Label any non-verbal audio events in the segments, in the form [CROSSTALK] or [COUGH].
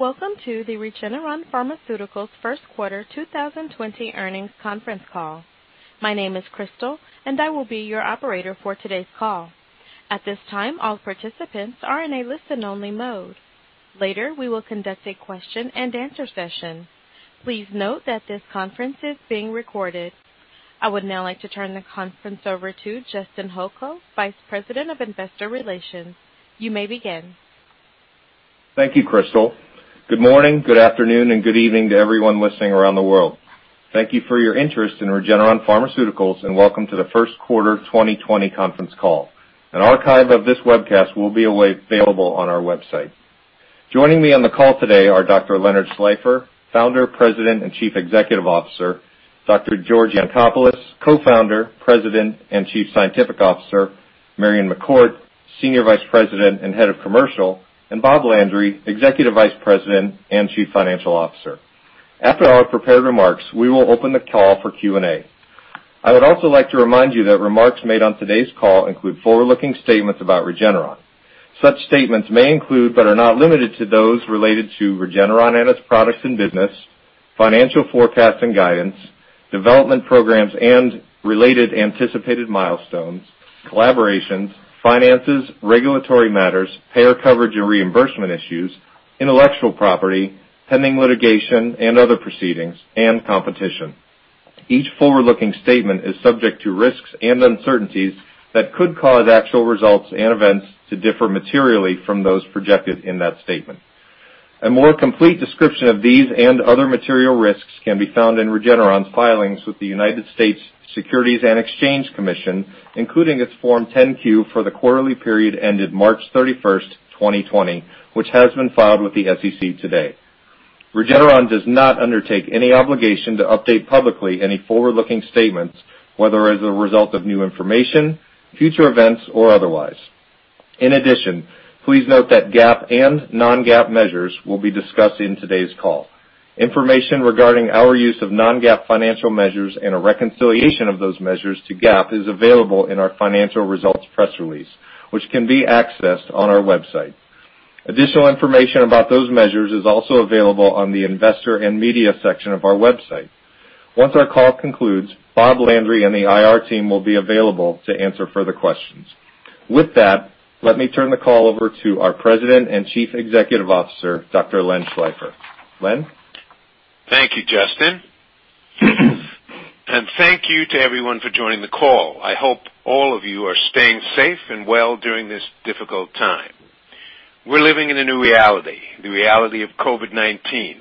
Welcome to the Regeneron Pharmaceuticals first quarter 2020 earnings conference call. My name is Crystal and I will be your Operator for today's call. At this time, all participants are in a listen only mode. Later, we will conduct a question and answer session. Please note that this conference is being recorded. I would now like to turn the conference over to Justin Holko, Vice President of Investor Relations. You may begin. Thank you, Crystal. Good morning, good afternoon, and good evening to everyone listening around the world. Thank you for your interest in Regeneron Pharmaceuticals, and welcome to the first quarter 2020 conference call. An archive of this webcast will be available on our website. Joining me on the call today are Dr. Leonard Schleifer, Founder, President, and Chief Executive Officer, Dr. George Yancopoulos, Co-Founder, President, and Chief Scientific Officer, Marion McCourt, Senior Vice President and Head of Commercial, and Rob Landry, Executive Vice President and Chief Financial Officer. After our prepared remarks, we will open the call for Q&A. I would also like to remind you that remarks made on today's call include forward-looking statements about Regeneron. Such statements may include, but are not limited to, those related to Regeneron and its products and business, financial forecasts and guidance, development programs and related anticipated milestones, collaborations, finances, regulatory matters, payer coverage and reimbursement issues, intellectual property, pending litigation and other proceedings, and competition. Each forward-looking statement is subject to risks and uncertainties that could cause actual results and events to differ materially from those projected in that statement. A more complete description of these and other material risks can be found in Regeneron's filings with the United States Securities and Exchange Commission, including its Form 10-Q for the quarterly period ended March 31st, 2020, which has been filed with the SEC today. Regeneron does not undertake any obligation to update publicly any forward-looking statements, whether as a result of new information, future events, or otherwise. In addition, please note that GAAP and non-GAAP measures will be discussed in today's call. Information regarding our use of non-GAAP financial measures and a reconciliation of those measures to GAAP is available in our financial results press release, which can be accessed on our website. Additional information about those measures is also available on the investor and media section of our website. Once our call concludes, Rob Landry and the IR team will be available to answer further questions. With that, let me turn the call over to our President and Chief Executive Officer, Dr. Len Schleifer. Len? Thank you, Justin. Thank you to everyone for joining the call. I hope all of you are staying safe and well during this difficult time. We're living in a new reality, the reality of COVID-19.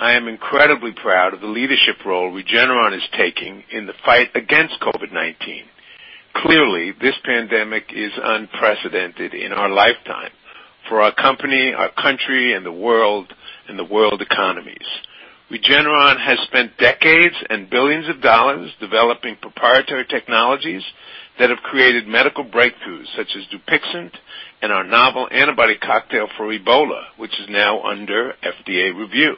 I am incredibly proud of the leadership role Regeneron is taking in the fight against COVID-19. Clearly, this pandemic is unprecedented in our lifetime, for our company, our country, and the world, and the world economies. Regeneron has spent decades and billions of dollars developing proprietary technologies that have created medical breakthroughs, such as DUPIXENT and our novel antibody cocktail for Ebola, which is now under FDA review.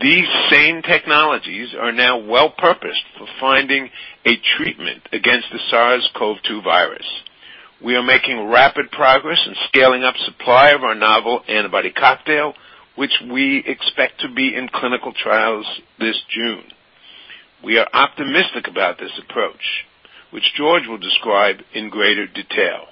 These same technologies are now well-purposed for finding a treatment against the SARS-CoV-2 virus. We are making rapid progress in scaling up supply of our novel antibody cocktail, which we expect to be in clinical trials this June. We are optimistic about this approach, which George will describe in greater detail.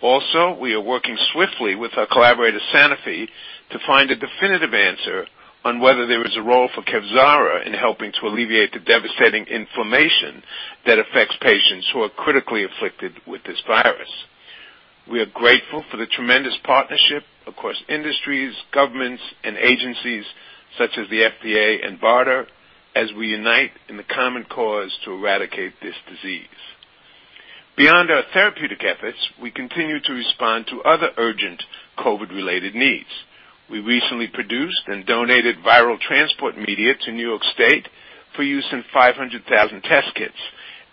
Also, we are working swiftly with our collaborator, Sanofi, to find a definitive answer on whether there is a role for KEVZARA in helping to alleviate the devastating inflammation that affects patients who are critically afflicted with this virus. We are grateful for the tremendous partnership across industries, governments, and agencies such as the FDA and BARDA as we unite in the common cause to eradicate this disease. Beyond our therapeutic efforts, we continue to respond to other urgent COVID-related needs. We recently produced and donated viral transport media to New York State for use in 500,000 test kits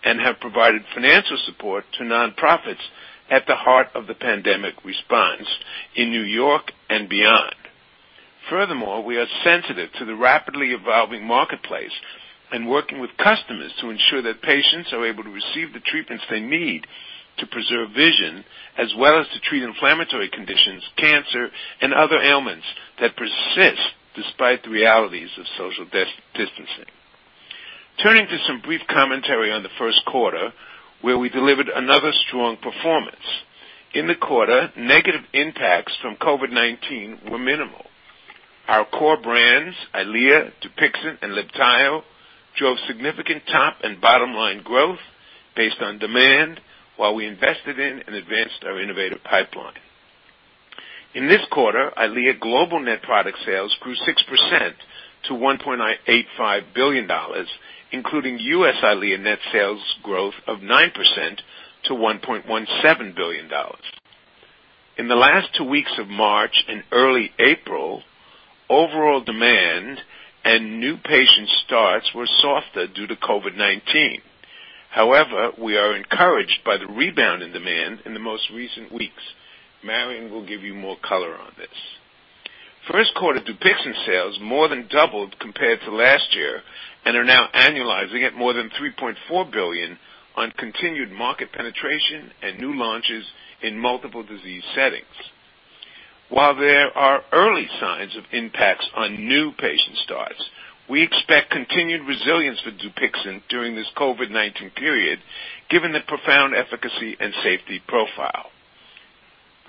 and have provided financial support to nonprofits at the heart of the pandemic response in New York and beyond. Furthermore, we are sensitive to the rapidly evolving marketplace and working with customers to ensure that patients are able to receive the treatments they need to preserve vision, as well as to treat inflammatory conditions, cancer, and other ailments that persist despite the realities of social distancing. Turning to some brief commentary on the first quarter, where we delivered another strong performance. In the quarter, negative impacts from COVID-19 were minimal. Our core brands, EYLEA, DUPIXENT, and LIBTAYO, drove significant top and bottom-line growth based on demand, while we invested in and advanced our innovative pipeline. In this quarter, EYLEA global net product sales grew 6% to $1.85 billion, including U.S. EYLEA net sales growth of 9% to $1.17 billion. In the last two weeks of March and early April, overall demand and new patient starts were softer due to COVID-19. We are encouraged by the rebound in demand in the most recent weeks. Marion will give you more color on this. First quarter DUPIXENT sales more than doubled compared to last year and are now annualizing at more than $3.4 billion on continued market penetration and new launches in multiple disease settings. While there are early signs of impacts on new patient starts, we expect continued resilience with DUPIXENT during this COVID-19 period, given the profound efficacy and safety profile.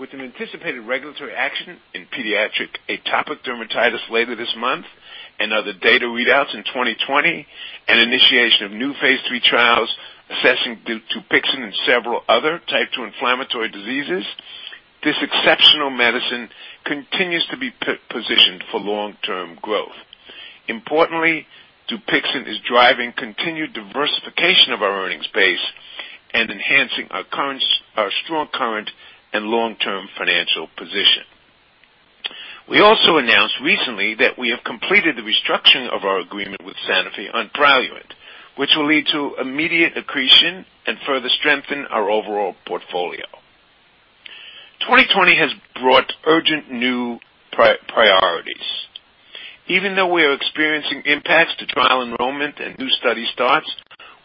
With an anticipated regulatory action in pediatric atopic dermatitis later this month, and other data readouts in 2020, and initiation of new phase III trials assessing DUPIXENT and several other type 2 inflammatory diseases, this exceptional medicine continues to be positioned for long-term growth. Importantly, DUPIXENT is driving continued diversification of our earnings base and enhancing our strong current and long-term financial position. We also announced recently that we have completed the restructuring of our agreement with Sanofi on PRALUENT, which will lead to immediate accretion and further strengthen our overall portfolio. 2020 has brought urgent new priorities. Even though we are experiencing impacts to trial enrollment and new study starts,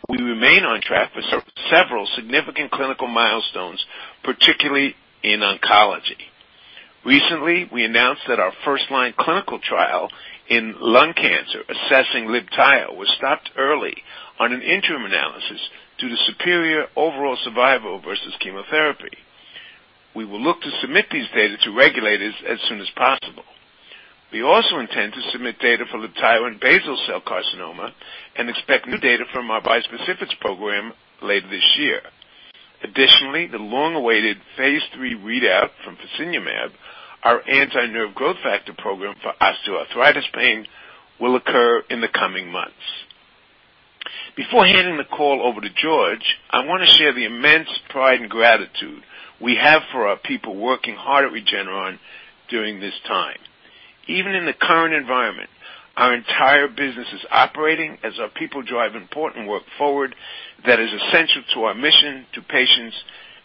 we remain on track for several significant clinical milestones, particularly in oncology. Recently, we announced that our first-line clinical trial in lung cancer assessing LIBTAYO was stopped early on an interim analysis due to superior overall survival versus chemotherapy. We will look to submit these data to regulators as soon as possible. We also intend to submit data for LIBTAYO and basal cell carcinoma and expect new data from our bispecifics program later this year. The long-awaited phase III readout from fasinumab, our anti-Nerve Growth Factor program for osteoarthritis pain, will occur in the coming months. Before handing the call over to George, I want to share the immense pride and gratitude we have for our people working hard at Regeneron during this time. Even in the current environment, our entire business is operating as our people drive important work forward that is essential to our mission, to patients,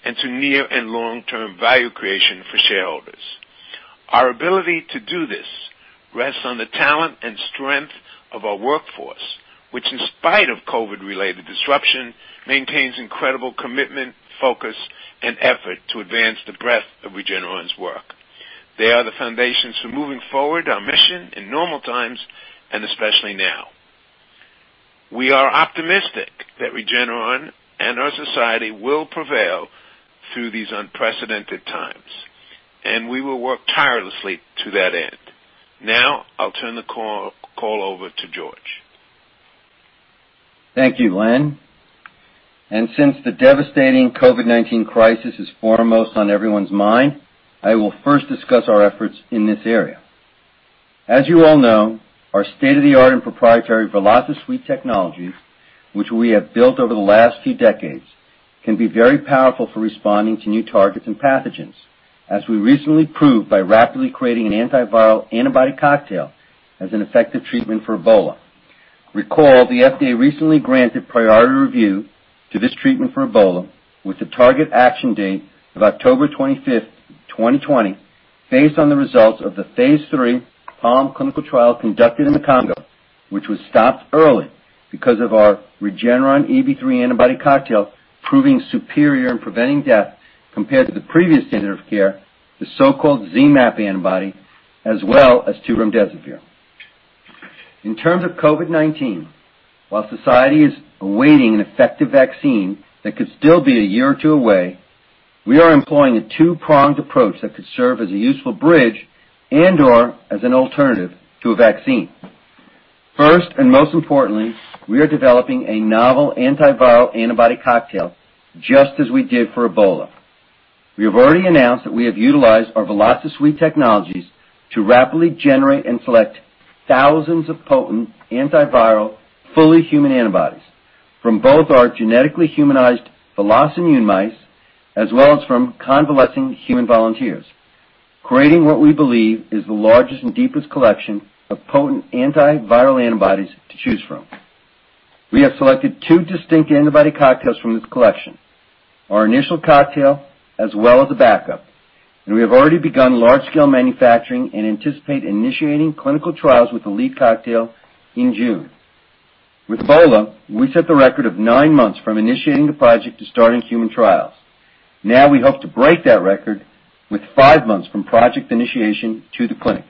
and to near and long-term value creation for shareholders. Our ability to do this rests on the talent and strength of our workforce, which in spite of COVID-related disruption, maintains incredible commitment, focus, and effort to advance the breadth of Regeneron's work. They are the foundations for moving forward our mission in normal times, and especially now. We are optimistic that Regeneron and our society will prevail through these unprecedented times, and we will work tirelessly to that end. Now I'll turn the call over to George. Thank you, Len. Since the devastating COVID-19 crisis is foremost on everyone's mind, I will first discuss our efforts in this area. As you all know, our state-of-the-art and proprietary VelociSuite technologies, which we have built over the last few decades, can be very powerful for responding to new targets and pathogens, as we recently proved by rapidly creating an antiviral antibody cocktail as an effective treatment for Ebola. Recall, the FDA recently granted priority review to this treatment for Ebola with a target action date of October 25, 2020, based on the results of the phase III PALM clinical trial conducted in the Congo, which was stopped early because of our REGN-EB3 antibody cocktail proving superior in preventing death compared to the previous standard of care, the so-called ZMapp antibody, as well as to remdesivir. In terms of COVID-19, while society is awaiting an effective vaccine that could still be a year or two away, we are employing a two-pronged approach that could serve as a useful bridge and/or as an alternative to a vaccine. First, and most importantly, we are developing a novel antiviral antibody cocktail, just as we did for Ebola. We have already announced that we have utilized our VelociSuite technologies to rapidly generate and select thousands of potent antiviral, fully human antibodies from both our genetically humanized VelocImmune mice as well as from convalescing human volunteers, creating what we believe is the largest and deepest collection of potent antiviral antibodies to choose from. We have selected two distinct antibody cocktails from this collection, our initial cocktail as well as a backup, and we have already begun large-scale manufacturing and anticipate initiating clinical trials with the lead cocktail in June. With Ebola, we set the record of nine months from initiating the project to starting human trials. We hope to break that record with five months from project initiation to the clinic.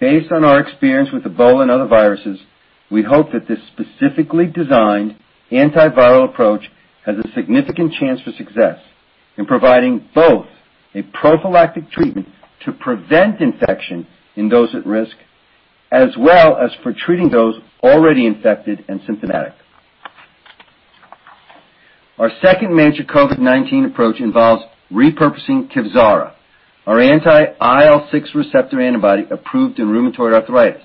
Based on our experience with Ebola and other viruses, we hope that this specifically designed antiviral approach has a significant chance for success in providing both a prophylactic treatment to prevent infection in those at risk, as well as for treating those already infected and symptomatic. Our second major COVID-19 approach involves repurposing KEVZARA, our anti-IL-6 receptor antibody approved in rheumatoid arthritis.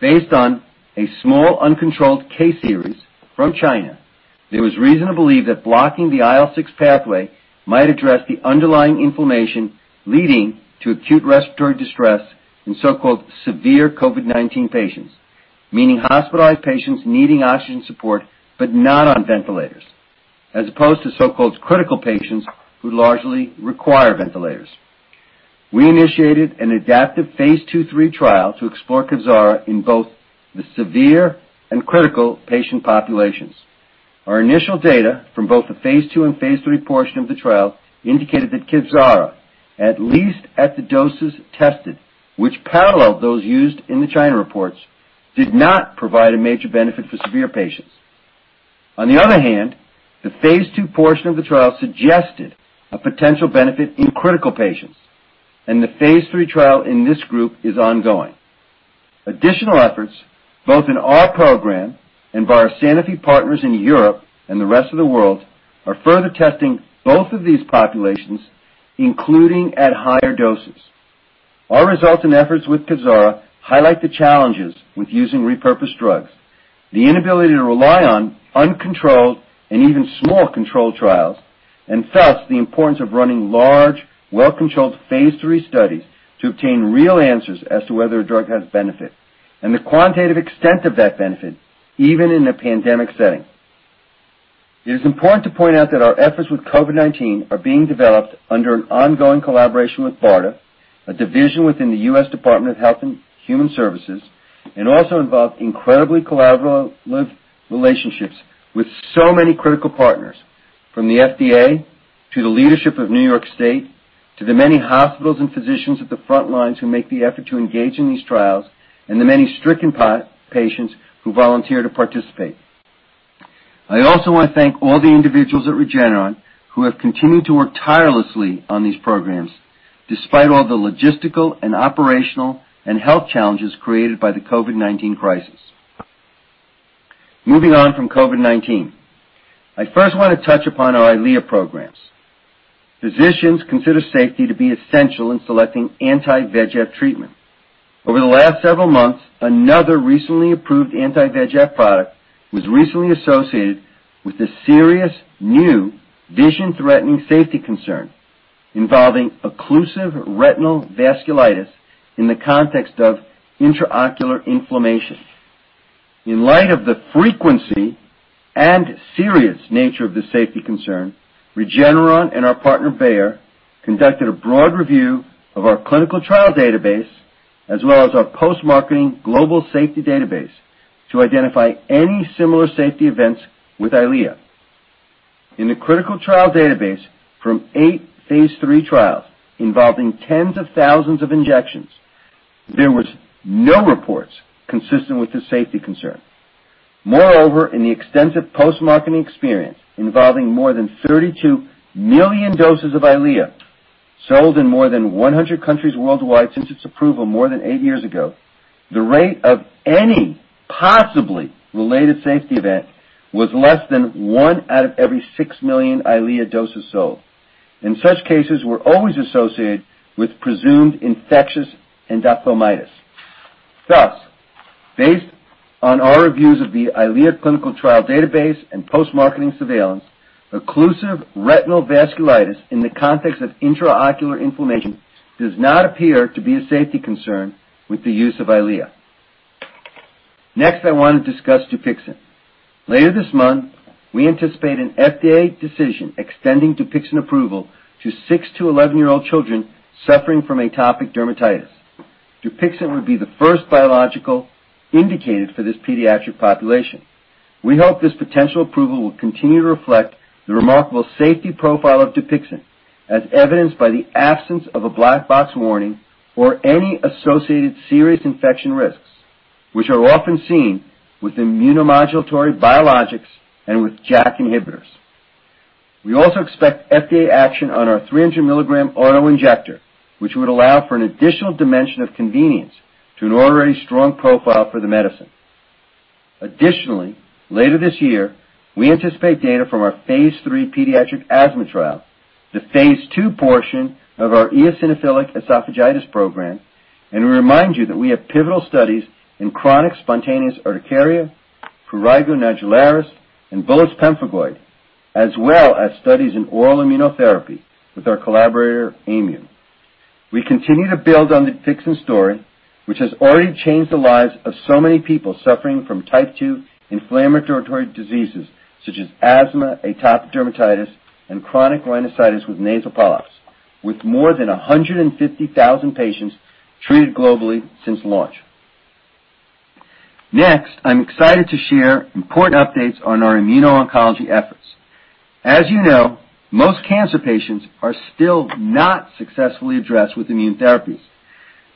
Based on a small uncontrolled case series from China, there was reason to believe that blocking the IL-6 pathway might address the underlying inflammation leading to acute respiratory distress in so-called severe COVID-19 patients, meaning hospitalized patients needing oxygen support but not on ventilators. Opposed to so-called critical patients who largely require ventilators. We initiated an adaptive phase II-III trial to explore KEVZARA in both the severe and critical patient populations. Our initial data from both the phase II and phase III portion of the trial indicated that KEVZARA, at least at the doses tested, which paralleled those used in the China reports, did not provide a major benefit for severe patients. On the other hand, the phase II portion of the trial suggested a potential benefit in critical patients, and the phase III trial in this group is ongoing. Additional efforts, both in our program and by our Sanofi partners in Europe and the rest of the world, are further testing both of these populations, including at higher doses. Our results and efforts with KEVZARA highlight the challenges with using repurposed drugs, the inability to rely on uncontrolled and even small controlled trials, and thus, the importance of running large, well-controlled phase III studies to obtain real answers as to whether a drug has benefit, and the quantitative extent of that benefit, even in a pandemic setting. It is important to point out that our efforts with COVID-19 are being developed under an ongoing collaboration with BARDA, a division within the U.S. Department of Health and Human Services, and also involve incredibly collaborative relationships with so many critical partners, from the FDA to the leadership of New York State, to the many hospitals and physicians at the front lines who make the effort to engage in these trials, and the many stricken patients who volunteer to participate. I also want to thank all the individuals at Regeneron who have continued to work tirelessly on these programs, despite all the logistical and operational and health challenges created by the COVID-19 crisis. Moving on from COVID-19. I first want to touch upon our EYLEA programs. Physicians consider safety to be essential in selecting anti-VEGF treatment. Over the last several months, another recently approved anti-VEGF product was recently associated with a serious new vision-threatening safety concern involving occlusive retinal vasculitis in the context of intraocular inflammation. In light of the frequency and serious nature of this safety concern, Regeneron and our partner, Bayer, conducted a broad review of our clinical trial database, as well as our post-marketing global safety database, to identify any similar safety events with EYLEA. In the critical trial database from eight phase III trials involving tens of thousands of injections, there was no reports consistent with this safety concern. Moreover, in the extensive post-marketing experience involving more than 32 million doses of EYLEA sold in more than 100 countries worldwide since its approval more than eight years ago, the rate of any possibly related safety event was less than one out of every 6 million EYLEA doses sold, and such cases were always associated with presumed infectious endophthalmitis. Thus, based on our reviews of the EYLEA clinical trial database and post-marketing surveillance, occlusive retinal vasculitis in the context of intraocular inflammation does not appear to be a safety concern with the use of EYLEA. Next, I want to discuss DUPIXENT. Later this month, we anticipate an FDA decision extending DUPIXENT approval to 6-11 year old children suffering from atopic dermatitis. DUPIXENT would be the first biological indicated for this pediatric population. We hope this potential approval will continue to reflect the remarkable safety profile of DUPIXENT, as evidenced by the absence of a black box warning or any associated serious infection risks, which are often seen with immunomodulatory biologics and with JAK inhibitors. We also expect FDA action on our 300 milligram auto-injector, which would allow for an additional dimension of convenience to an already strong profile for the medicine. Later this year, we anticipate data from our phase III pediatric asthma trial, the phase II portion of our eosinophilic esophagitis program, and we remind you that we have pivotal studies in chronic spontaneous urticaria, prurigo nodularis, and bullous pemphigoid, as well as studies in oral immunotherapy with our collaborator, Aimmune. We continue to build on the DUPIXENT story, which has already changed the lives of so many people suffering from type 2 inflammatory diseases, such as asthma, atopic dermatitis, and chronic rhinosinusitis with nasal polyps, with more than 150,000 patients treated globally since launch. Next, I'm excited to share important updates on our immuno-oncology efforts. As you know, most cancer patients are still not successfully addressed with immune therapies,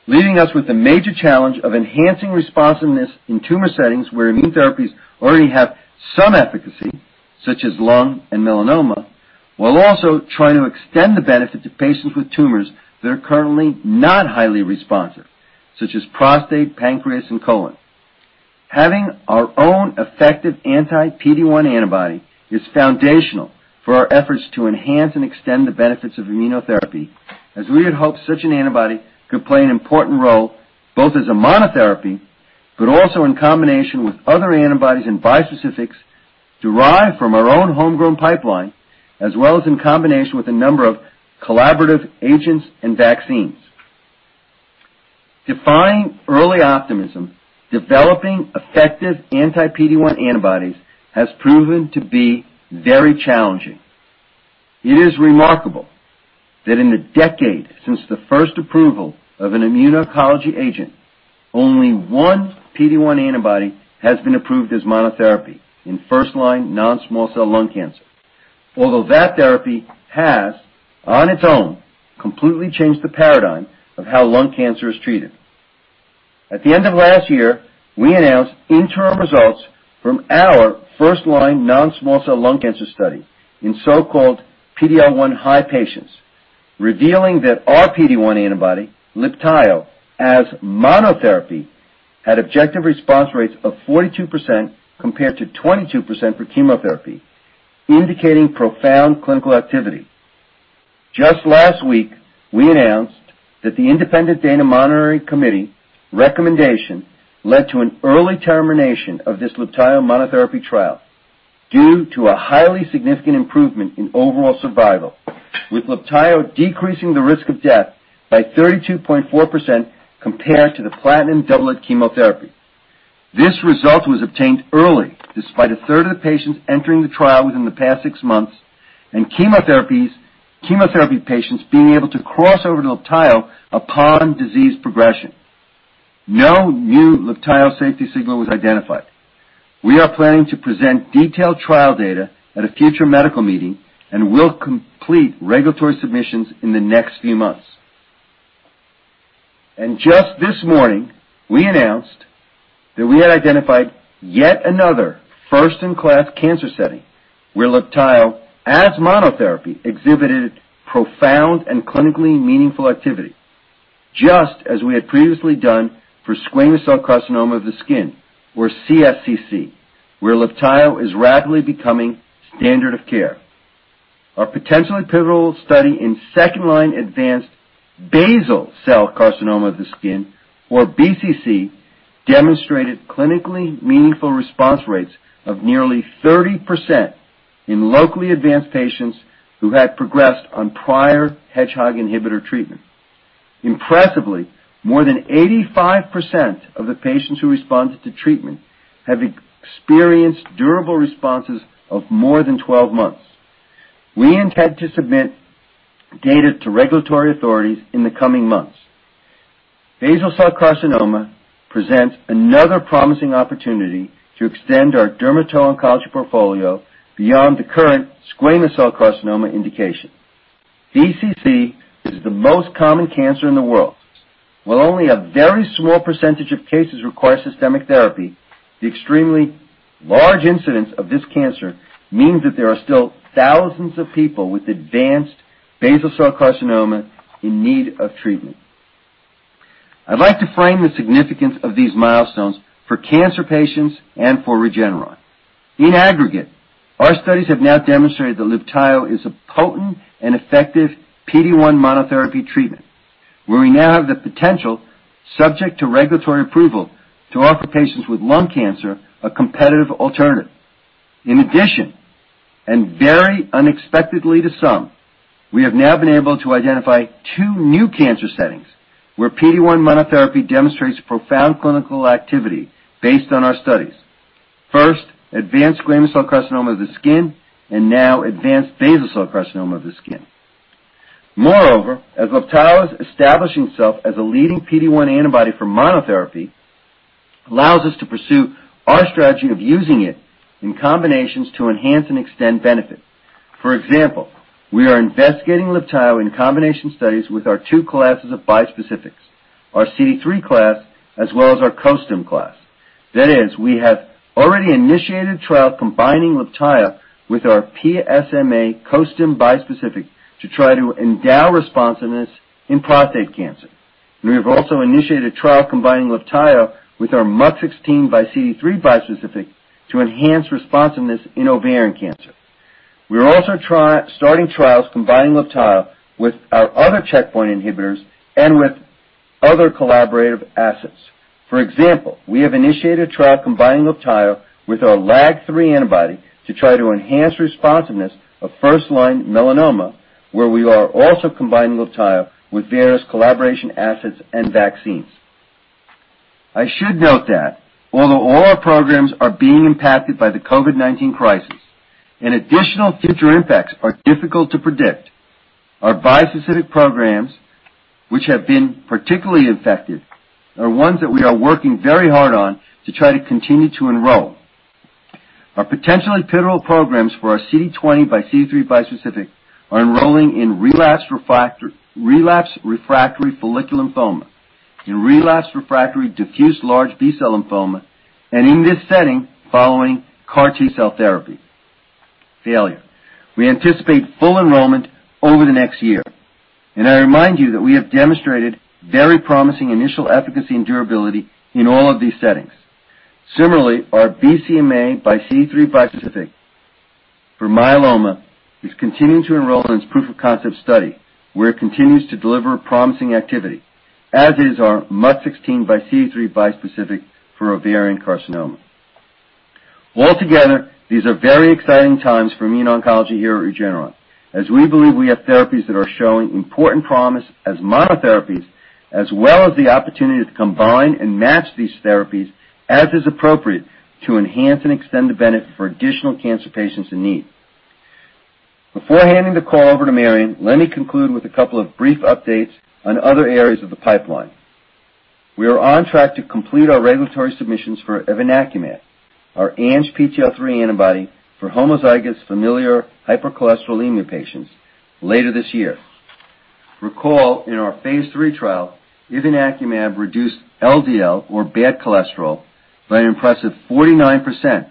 leaving us with the major challenge of enhancing responsiveness in tumor settings where immune therapies already have some efficacy, such as lung and melanoma, while also trying to extend the benefit to patients with tumors that are currently not highly responsive, such as prostate, pancreas, and colon. Having our own effective anti-PD-1 antibody is foundational for our efforts to enhance and extend the benefits of immunotherapy, as we had hoped such an antibody could play an important role both as a monotherapy, but also in combination with other antibodies and bispecifics derived from our own homegrown pipeline, as well as in combination with a number of collaborative agents and vaccines. Defying early optimism, developing effective anti-PD-1 antibodies has proven to be very challenging. It is remarkable that in the decade since the first approval of an immuno-oncology agent, only one PD-1 antibody has been approved as monotherapy in first-line non-small cell lung cancer. That therapy has, on its own, completely changed the paradigm of how lung cancer is treated. At the end of last year, we announced interim results from our first-line non-small cell lung cancer study in so-called PD-L1 high patients, revealing that our PD-1 antibody, LIBTAYO, as monotherapy, had objective response rates of 42% compared to 22% for chemotherapy, indicating profound clinical activity. Just last week, we announced that the independent data monitoring committee recommendation led to an early termination of this LIBTAYO monotherapy trial due to a highly significant improvement in overall survival, with LIBTAYO decreasing the risk of death by 32.4% compared to the platinum-doublet chemotherapy. This result was obtained early, despite a third of the patients entering the trial within the past six months, and chemotherapy patients being able to cross over to LIBTAYO upon disease progression. No new LIBTAYO safety signal was identified. We are planning to present detailed trial data at a future medical meeting. We will complete regulatory submissions in the next few months. Just this morning, we announced that we had identified yet another first-in-class cancer setting where LIBTAYO, as monotherapy, exhibited profound and clinically meaningful activity, just as we had previously done for squamous cell carcinoma of the skin, or CSCC, where LIBTAYO is rapidly becoming standard of care. A potentially pivotal study in second-line advanced basal cell carcinoma of the skin, or BCC, demonstrated clinically meaningful response rates of nearly 30% in locally advanced patients who had progressed on prior hedgehog inhibitor treatment. Impressively, more than 85% of the patients who responded to treatment have experienced durable responses of more than 12 months. We intend to submit data to regulatory authorities in the coming months. Basal cell carcinoma presents another promising opportunity to extend our dermato- oncology portfolio beyond the current squamous cell carcinoma indication. BCC is the most common cancer in the world. While only a very small percentage of cases require systemic therapy, the extremely large incidence of this cancer means that there are still thousands of people with advanced basal cell carcinoma in need of treatment. I'd like to frame the significance of these milestones for cancer patients and for Regeneron. In aggregate, our studies have now demonstrated that LIBTAYO is a potent and effective PD-1 monotherapy treatment, where we now have the potential, subject to regulatory approval, to offer patients with lung cancer a competitive alternative. In addition, and very unexpectedly to some, we have now been able to identify two new cancer settings where PD-1 monotherapy demonstrates profound clinical activity based on our studies. First, advanced squamous cell carcinoma of the skin, and now advanced basal cell carcinoma of the skin. Moreover, as LIBTAYO is establishing itself as a leading PD-1 antibody for monotherapy, allows us to pursue our strategy of using it in combinations to enhance and extend benefit. For example, we are investigating LIBTAYO in combination studies with our two classes of bispecifics, our CD3 class as well as our [costim] class. That is, we have already initiated a trial combining LIBTAYO with our PSMA [costim] bispecific to try to endow responsiveness in prostate cancer. We have also initiated a trial combining LIBTAYO with our MUC16 by CD3 bispecific to enhance responsiveness in ovarian cancer. We are also starting trials combining LIBTAYO with our other checkpoint inhibitors and with other collaborative assets. For example, we have initiated a trial combining LIBTAYO with our LAG3 antibody to try to enhance responsiveness of first-line melanoma, where we are also combining LIBTAYO with various collaboration assets and vaccines. I should note that although all our programs are being impacted by the COVID-19 crisis, and additional future impacts are difficult to predict, our bispecific programs, which have been particularly affected, are ones that we are working very hard on to try to continue to enroll. Our potentially pivotal programs for our CD20xCD3 bispecific are enrolling in relapse refractory follicular lymphoma, in relapse refractory diffuse large B-cell lymphoma, and in this setting, following CAR T-cell therapy failure. We anticipate full enrollment over the next year. I remind you that we have demonstrated very promising initial efficacy and durability in all of these settings. Similarly, our BCMAxCD3 bispecific for myeloma is continuing to enroll in its proof-of-concept study, where it continues to deliver promising activity, as is our MUC16 by CD3 bispecific for ovarian carcinoma. Altogether, these are very exciting times for immuno-oncology here at Regeneron, as we believe we have therapies that are showing important promise as monotherapies, as well as the opportunity to combine and match these therapies as is appropriate to enhance and extend the benefit for additional cancer patients in need. Before handing the call over to Marion, let me conclude with a couple of brief updates on other areas of the pipeline. We are on track to complete our regulatory submissions for evinacumab, our ANGPTL3 antibody for homozygous familial hypercholesterolemia patients later this year. Recall, in our phase III trial, evinacumab reduced LDL or bad cholesterol by an impressive 49%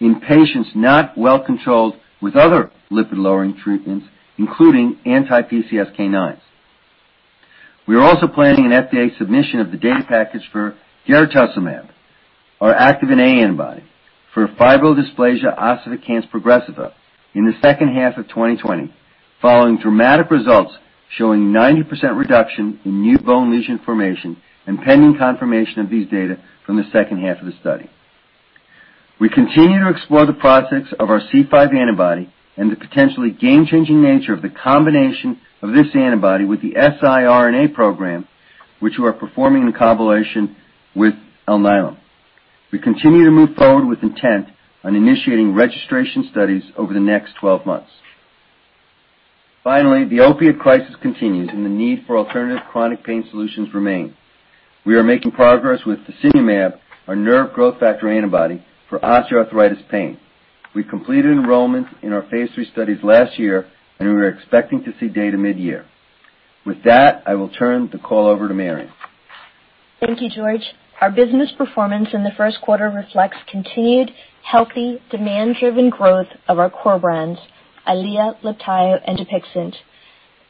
in patients not well-controlled with other lipid-lowering treatments, including anti-PCSK9s. We are also planning an FDA submission of the data package for garetosmab, our active and antibody for fibrodysplasia ossificans progressiva in the second half of 2020, following dramatic results showing 90% reduction in new bone lesion formation and pending confirmation of these data from the second half of the study. We continue to explore the prospects of our C5 antibody and the potentially game-changing nature of the combination of this antibody with the siRNA program, which we are performing in compilation with Alnylam. We continue to move forward with intent on initiating registration studies over the next 12 months. Finally, the opiate crisis continues and the need for alternative chronic pain solutions remain. We are making progress with fasinumab, our nerve growth factor antibody, for osteoarthritis pain. We completed enrollment in our phase III studies last year. We are expecting to see data mid-year. With that, I will turn the call over to Marion. Thank you, George. Our business performance in the first quarter reflects continued healthy demand-driven growth of our core brands, EYLEA, LIBTAYO, and DUPIXENT.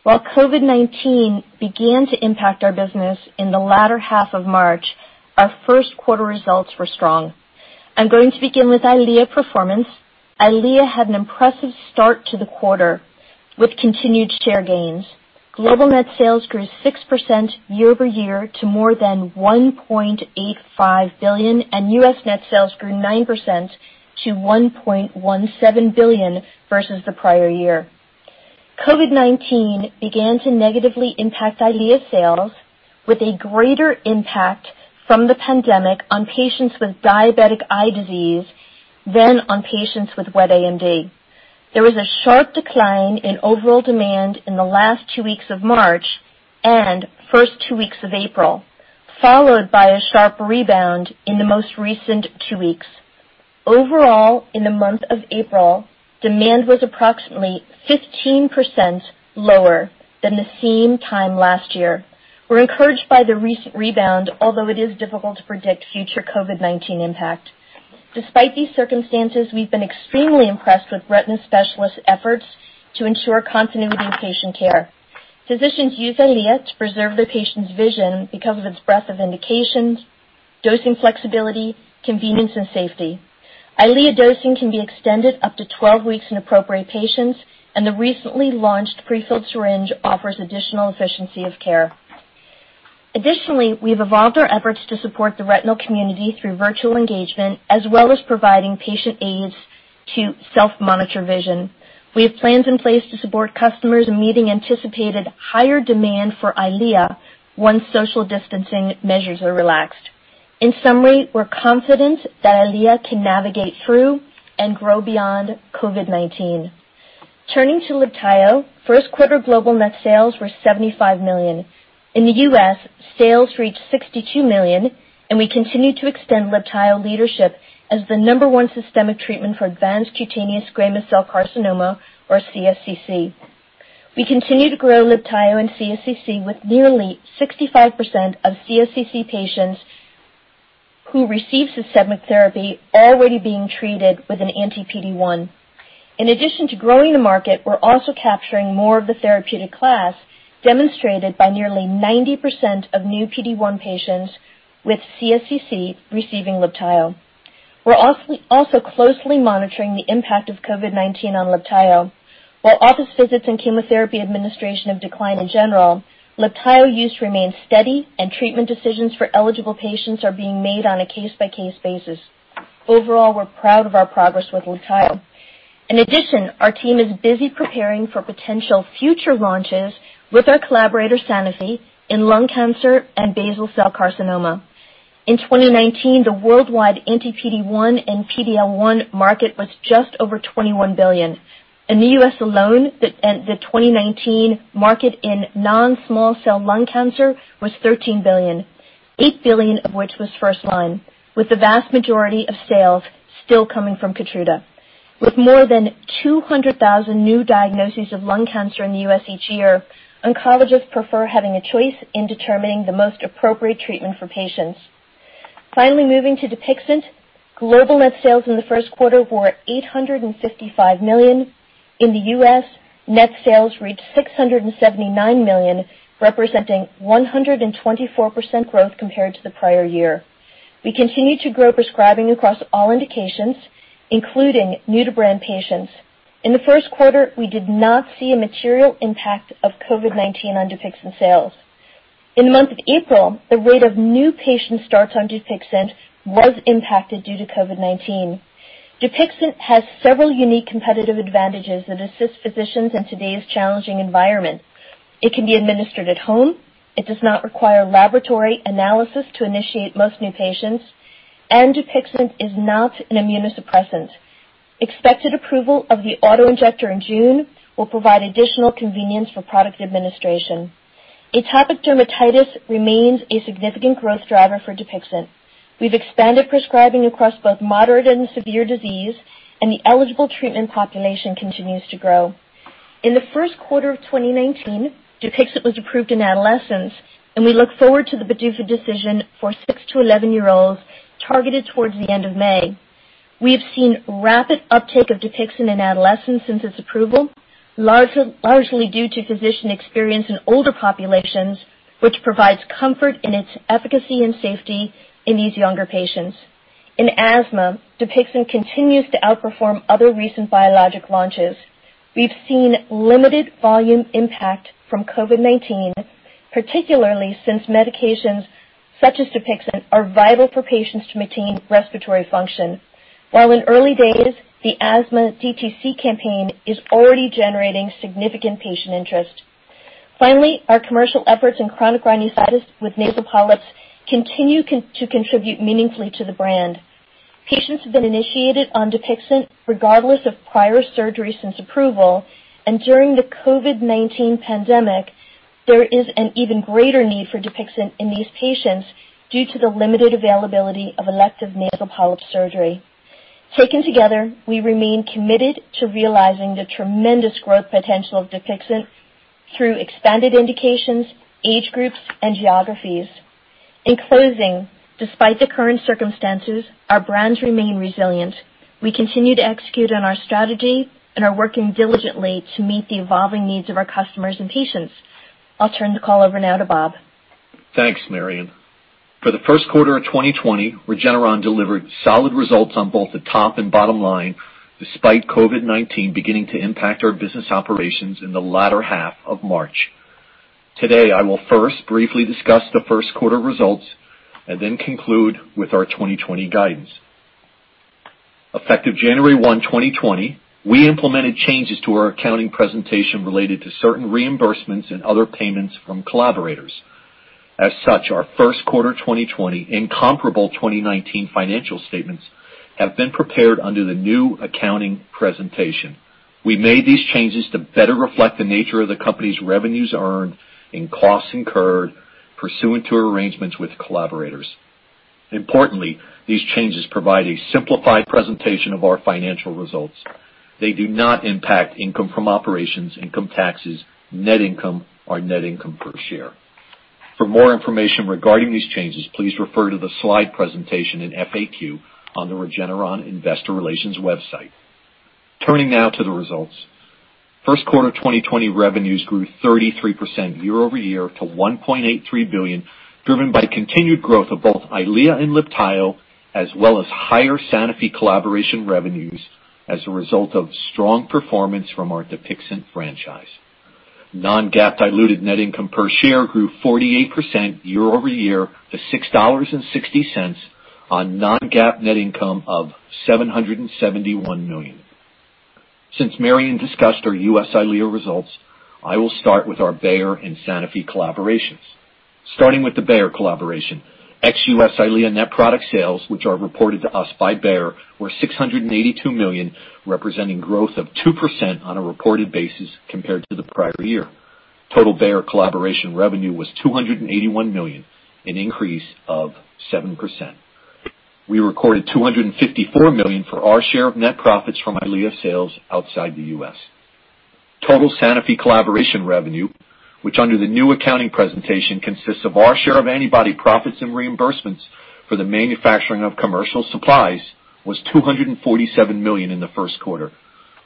While COVID-19 began to impact our business in the latter half of March, our first quarter results were strong. I'm going to begin with EYLEA performance. EYLEA had an impressive start to the quarter with continued share gains. Global net sales grew 6% year-over-year to more than $1.85 billion, and U.S. net sales grew 9% to $1.17 billion versus the prior year. COVID-19 began to negatively impact EYLEA sales with a greater impact from the pandemic on patients with diabetic eye disease than on patients with wet AMD. There was a sharp decline in overall demand in the last two weeks of March and first two weeks of April, followed by a sharp rebound in the most recent two weeks. Overall, in the month of April, demand was approximately 15% lower than the same time last year. We're encouraged by the recent rebound, although it is difficult to predict future COVID-19 impact. Despite these circumstances, we've been extremely impressed with retina specialists' efforts to ensure continuity in patient care. Physicians use EYLEA to preserve their patient's vision because of its breadth of indications, dosing flexibility, convenience, and safety. EYLEA dosing can be extended up to 12 weeks in appropriate patients, and the recently launched prefilled syringe offers additional efficiency of care. We've evolved our efforts to support the retinal community through virtual engagement, as well as providing patient aids to self-monitor vision. We have plans in place to support customers in meeting anticipated higher demand for EYLEA once social distancing measures are relaxed. We're confident that EYLEA can navigate through and grow beyond COVID-19. Turning to LIBTAYO, first quarter global net sales were $75 million. In the U.S., sales reached $62 million. We continue to extend LIBTAYO leadership as the number one systemic treatment for advanced cutaneous squamous cell carcinoma or CSCC. We continue to grow LIBTAYO in CSCC with nearly 65% of CSCC patients who receive systemic therapy already being treated with an anti-PD-1. In addition to growing the market, we're also capturing more of the therapeutic class, demonstrated by nearly 90% of new PD-1 patients with CSCC receiving LIBTAYO. We're also closely monitoring the impact of COVID-19 on LIBTAYO. While office visits and chemotherapy administration have declined in general, LIBTAYO use remains steady. Treatment decisions for eligible patients are being made on a case-by-case basis. Overall, we're proud of our progress with LIBTAYO. In addition, our team is busy preparing for potential future launches with our collaborator, Sanofi, in lung cancer and basal cell carcinoma. In 2019, the worldwide anti-PD-1 and PD-L1 market was just over $21 billion. In the U.S. alone, the 2019 market in non-small cell lung cancer was $13 billion, $8 billion of which was first line, with the vast majority of sales still coming from KEYTRUDA. With more than 200,000 new diagnoses of lung cancer in the U.S. each year, oncologists prefer having a choice in determining the most appropriate treatment for patients. Finally, moving to DUPIXENT, global net sales in the first quarter were $855 million. In the U.S., net sales reached $679 million, representing 124% growth compared to the prior year. We continue to grow prescribing across all indications, including new-to-brand patients. In the first quarter, we did not see a material impact of COVID-19 on DUPIXENT sales. In the month of April, the rate of new patient starts on DUPIXENT was impacted due to COVID-19. DUPIXENT has several unique competitive advantages that assist physicians in today's challenging environment. It can be administered at home, it does not require laboratory analysis to initiate most new patients, and DUPIXENT is not an immunosuppressant. Expected approval of the auto-injector in June will provide additional convenience for product administration. Atopic dermatitis remains a significant growth driver for DUPIXENT. We've expanded prescribing across both moderate and severe disease, and the eligible treatment population continues to grow. In the first quarter of 2019, DUPIXENT was approved in adolescents, and we look forward to the PDUFA decision for 6-11 year-olds targeted towards the end of May. We have seen rapid uptake of DUPIXENT in adolescents since its approval, largely due to physician experience in older populations, which provides comfort in its efficacy and safety in these younger patients. In asthma, DUPIXENT continues to outperform other recent biologic launches. We've seen limited volume impact from COVID-19, particularly since medications such as DUPIXENT are vital for patients to maintain respiratory function. While in early days, the asthma DTC campaign is already generating significant patient interest. Finally, our commercial efforts in chronic rhinosinusitis with nasal polyps continue to contribute meaningfully to the brand. Patients have been initiated on DUPIXENT regardless of prior surgery since approval, and during the COVID-19 pandemic, there is an even greater need for DUPIXENT in these patients due to the limited availability of elective nasal polyp surgery. Taken together, we remain committed to realizing the tremendous growth potential of DUPIXENT through expanded indications, age groups, and geographies. In closing, despite the current circumstances, our brands remain resilient. We continue to execute on our strategy and are working diligently to meet the evolving needs of our customers and patients. I'll turn the call over now to Rob. Thanks, Marion. For the first quarter of 2020, Regeneron delivered solid results on both the top and bottom line, despite COVID-19 beginning to impact our business operations in the latter half of March. Today, I will first briefly discuss the first quarter results and then conclude with our 2020 guidance. Effective January 1, 2020, we implemented changes to our accounting presentation related to certain reimbursements and other payments from collaborators. As such, our first quarter 2020 and comparable 2019 financial statements have been prepared under the new accounting presentation. We made these changes to better reflect the nature of the company's revenues earned and costs incurred pursuant to arrangements with collaborators. Importantly, these changes provide a simplified presentation of our financial results. They do not impact income from operations, income taxes, net income, or net income per share. For more information regarding these changes, please refer to the slide presentation and FAQ on the Regeneron investor relations website. Turning now to the results. First quarter 2020 revenues grew 33% year-over-year to $1.83 billion, driven by continued growth of both EYLEA and LIBTAYO, as well as higher Sanofi collaboration revenues as a result of strong performance from our DUPIXENT franchise. Non-GAAP diluted net income per share grew 48% year-over-year to $6.60 on non-GAAP net income of $771 million. Since Marion discussed our U.S. EYLEA results, I will start with our Bayer and Sanofi collaborations. Starting with the Bayer collaboration, ex-U.S. EYLEA net product sales, which are reported to us by Bayer, were $682 million, representing growth of 2% on a reported basis compared to the prior year. Total Bayer collaboration revenue was $281 million, an increase of 7%. We recorded $254 million for our share of net profits from EYLEA sales outside the U.S. Total Sanofi collaboration revenue, which under the new accounting presentation consists of our share of antibody profits and reimbursements for the manufacturing of commercial supplies, was $247 million in the first quarter.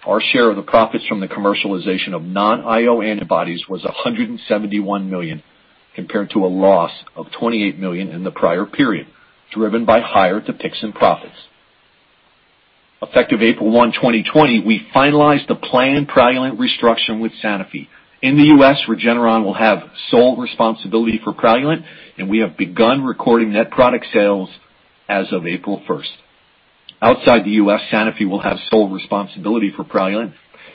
Our share of the profits from the commercialization of non-IO antibodies was $171 million, compared to a loss of $28 million in the prior period, driven by higher DUPIXENT profits. Effective April 1, 2020, we finalized the planned PRALUENT restructuring with Sanofi. In the U.S., Regeneron will have sole responsibility for PRALUENT, and we have begun recording net product sales as of April 1st. Outside the U.S., Sanofi will have sole responsibility for PRALUENT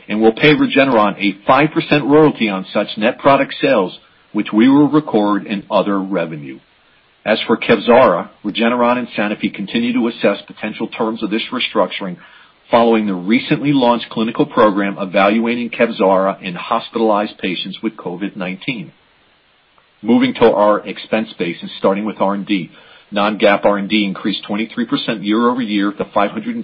and will pay Regeneron a 5% royalty on such net product sales, which we will record in other revenue. As for KEVZARA, Regeneron and Sanofi continue to assess potential terms of this restructuring following the recently launched clinical program evaluating KEVZARA in hospitalized patients with COVID-19. Moving to our expense base and starting with R&D. Non-GAAP R&D increased 23% year-over-year to $527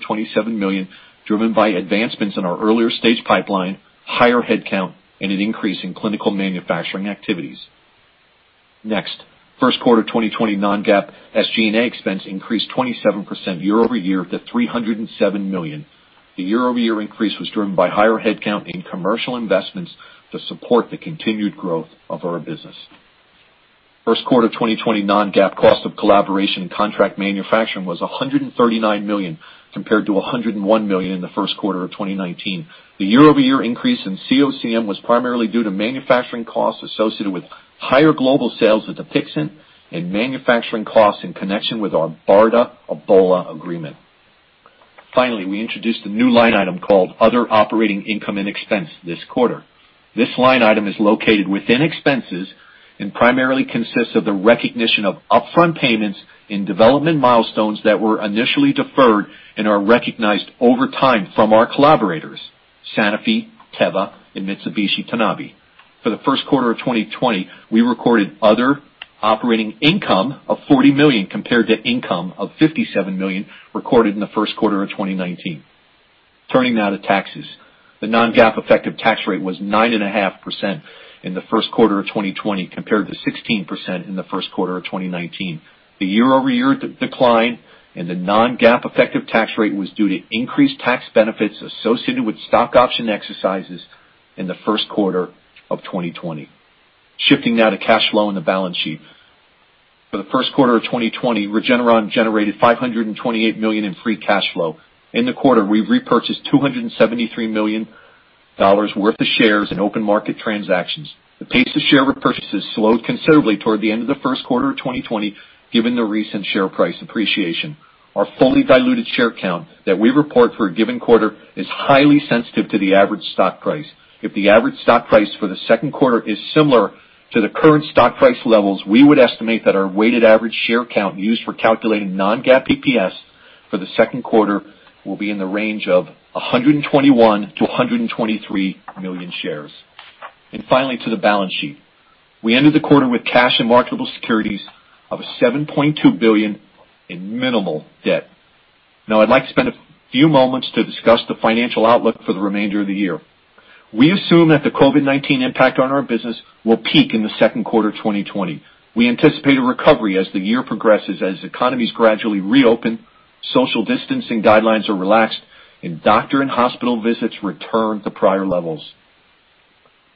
million, driven by advancements in our earlier stage pipeline, higher headcount, and an increase in clinical manufacturing activities. First quarter 2020 non-GAAP SG&A expense increased 27% year-over-year to $307 million. The year-over-year increase was driven by higher headcount in commercial investments to support the continued growth of our business. First quarter 2020 non-GAAP cost of collaboration and contract manufacturing was $139 million, compared to $101 million in the first quarter of 2019. The year-over-year increase in COCM was primarily due to manufacturing costs associated with higher global sales of Dupixent and manufacturing costs in connection with our BARDA-Ebola agreement. Finally, we introduced a new line item called other Operating Income and Expense this quarter. This line item is located within Expenses and primarily consists of the recognition of upfront payments in development milestones that were initially deferred and are recognized over time from our collaborators, Sanofi, Teva, and Mitsubishi Tanabe. For the first quarter of 2020, we recorded other operating income of $40 million compared to income of $57 million recorded in the first quarter of 2019. Turning now to taxes. The non-GAAP effective tax rate was 9.5% in the first quarter of 2020 compared to 16% in the first quarter of 2019. The year-over-year decline in the non-GAAP effective tax rate was due to increased tax benefits associated with stock option exercises in the first quarter of 2020. Shifting now to cash flow and the balance sheet. For the first quarter of 2020, Regeneron generated $528 million in free cash flow. In the quarter, we repurchased $273 million worth of shares in open market transactions. The pace of share repurchases slowed considerably toward the end of the first quarter of 2020, given the recent share price appreciation. Our fully diluted share count that we report for a given quarter is highly sensitive to the average stock price. If the average stock price for the second quarter is similar to the current stock price levels, we would estimate that our weighted average share count used for calculating non-GAAP EPS for the second quarter will be in the range of 121 million-123 million shares. Finally to the balance sheet. We ended the quarter with cash and marketable securities of $7.2 billion in minimal debt. I'd like to spend a few moments to discuss the financial outlook for the remainder of the year. We assume that the COVID-19 impact on our business will peak in the second quarter 2020. We anticipate a recovery as the year progresses, as economies gradually reopen, social distancing guidelines are relaxed, and doctor and hospital visits return to prior levels.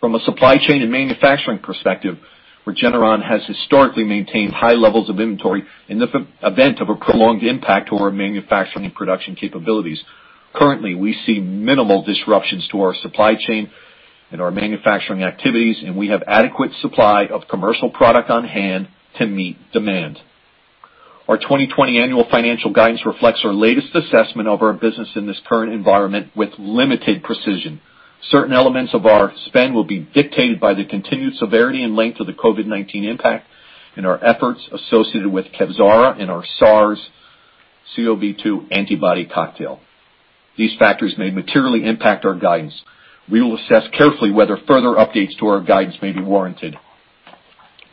From a supply chain and manufacturing perspective, Regeneron has historically maintained high levels of inventory in the event of a prolonged impact to our manufacturing and production capabilities. Currently, we see minimal disruptions to our supply chain and our manufacturing activities, and we have adequate supply of commercial product on-hand to meet demand. Our 2020 annual financial guidance reflects our latest assessment of our business in this current environment with limited precision. Certain elements of our spend will be dictated by the continued severity and length of the COVID-19 impact and our efforts associated with KEVZARA and our SARS-CoV-2 antibody cocktail. These factors may materially impact our guidance. We will assess carefully whether further updates to our guidance may be warranted.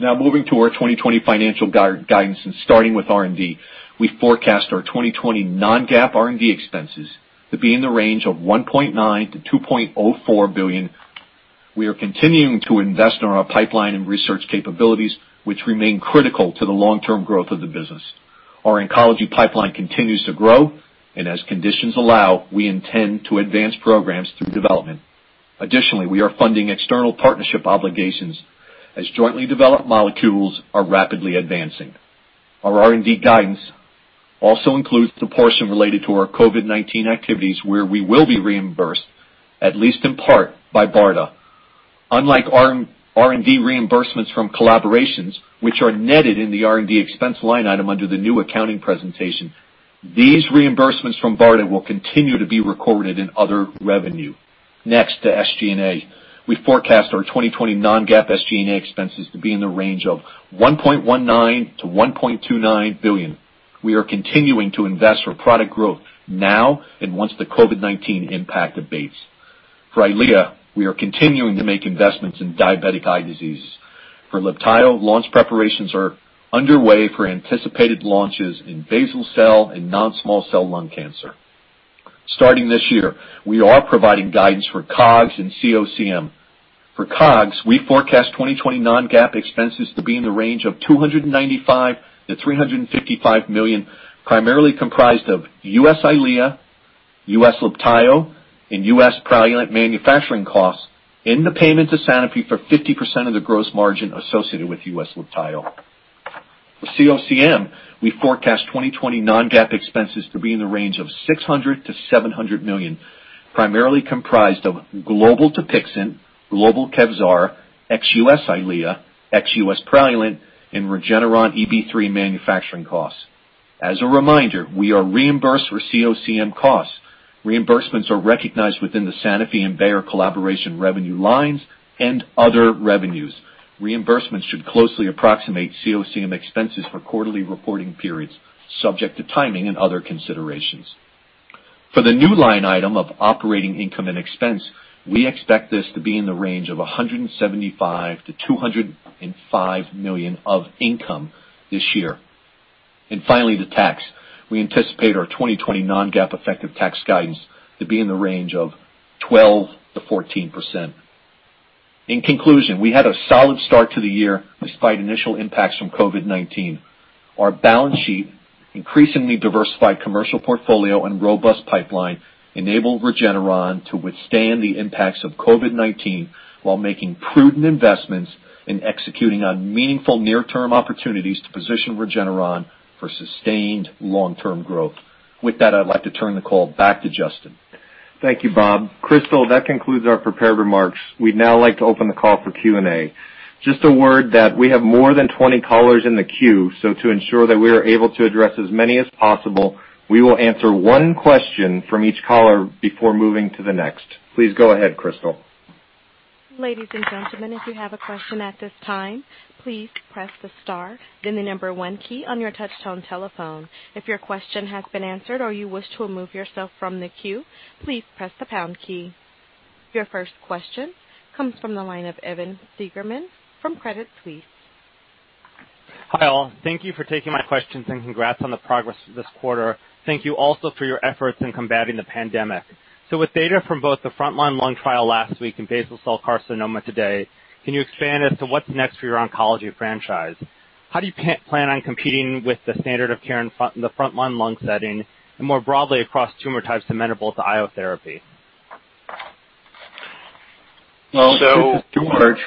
Now moving to our 2020 financial guidance and starting with R&D. We forecast our 2020 non-GAAP R&D expenses to be in the range of $1.9 billion-$2.04 billion. We are continuing to invest in our pipeline and research capabilities, which remain critical to the long-term growth of the business. Our oncology pipeline continues to grow, and as conditions allow, we intend to advance programs through development. Additionally, we are funding external partnership obligations as jointly developed molecules are rapidly advancing. Our R&D guidance also includes the portion related to our COVID-19 activities, where we will be reimbursed, at least in part, by BARDA. Unlike R&D reimbursements from collaborations, which are netted in the R&D expense line item under the new accounting presentation, these reimbursements from BARDA will continue to be recorded in other revenue. Next, to SG&A. We forecast our 2020 non-GAAP SG&A expenses to be in the range of $1.19 billion-$1.29 billion. We are continuing to invest for product growth now and once the COVID-19 impact abates. For EYLEA, we are continuing to make investments in diabetic eye diseases. For LIBTAYO, launch preparations are underway for anticipated launches in basal cell and non-small cell lung cancer. Starting this year, we are providing guidance for COGS and COCM. For COGS, we forecast 2020 non-GAAP expenses to be in the range of $295 million-$355 million, primarily comprised of U.S. EYLEA, U.S. LIBTAYO, and U.S. PRALUENT manufacturing costs in the payment to Sanofi for 50% of the gross margin associated with U.S. LIBTAYO. For COCM, we forecast 2020 non-GAAP expenses to be in the range of $600 million-$700 million, primarily comprised of global DUPIXENT, global KEVZARA, ex-U.S. EYLEA, ex-U.S. PRALUENT, and REGN-EB3 manufacturing costs. As a reminder, we are reimbursed for COCM costs. Reimbursements are recognized within the Sanofi and Bayer collaboration revenue lines and other revenues. Reimbursements should closely approximate COCM expenses for quarterly reporting periods, subject to timing and other considerations. For the new line item of operating income and expense, we expect this to be in the range of $175 million-$205 million of income this year. Finally, to tax. We anticipate our 2020 non-GAAP effective tax guidance to be in the range of 12%-14%. In conclusion, we had a solid start to the year despite initial impacts from COVID-19. Our balance sheet, increasingly diversified commercial portfolio, and robust pipeline enable Regeneron to withstand the impacts of COVID-19 while making prudent investments and executing on meaningful near-term opportunities to position Regeneron for sustained long-term growth. With that, I'd like to turn the call back to Justin. Thank you, Rob. Crystal, that concludes our prepared remarks. We'd now like to open the call for Q&A. Just a word that we have more than 20 callers in the queue, so to ensure that we are able to address as many as possible, we will answer one question from each caller before moving to the next. Please go ahead, Crystal. Ladies and gentlemen, if you have a question at this time, please press the star, then the number one key on your touchtone telephone. If your question has been answered or you wish to remove yourself from the queue, please press the pound key. Your first question comes from the line of Evan Seigerman from Credit Suisse. Hi, all. Thank you for taking my questions, and congrats on the progress this quarter. Thank you also for your efforts in combating the pandemic. With data from both the frontline lung trial last week and basal cell carcinoma today, can you expand as to what's next for your oncology franchise? How do you plan on competing with the standard of care in the frontline lung setting, and more broadly across tumor types amenable to IO therapy? This is George.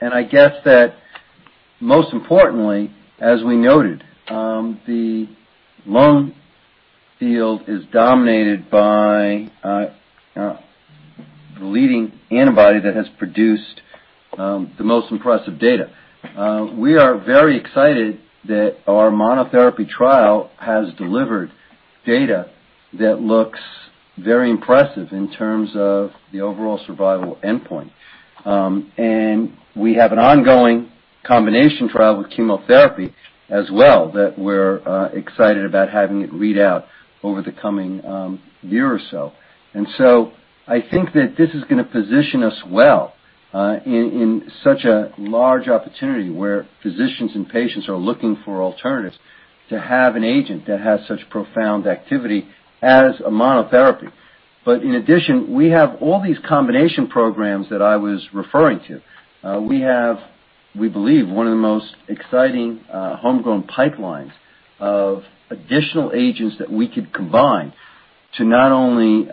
I guess that most importantly, as we noted, the lung field is dominated by the leading antibody that has produced the most impressive data. We are very excited that our monotherapy trial has delivered data that looks very impressive in terms of the overall survival endpoint. We have an ongoing combination trial with chemotherapy as well, that we're excited about having it read out over the coming year or so. I think that this is going to position us well, in such a large opportunity, where physicians and patients are looking for alternatives to have an agent that has such profound activity as a monotherapy. In addition, we have all these combination programs that I was referring to. We have, we believe, one of the most exciting homegrown pipelines of additional agents that we could combine to not only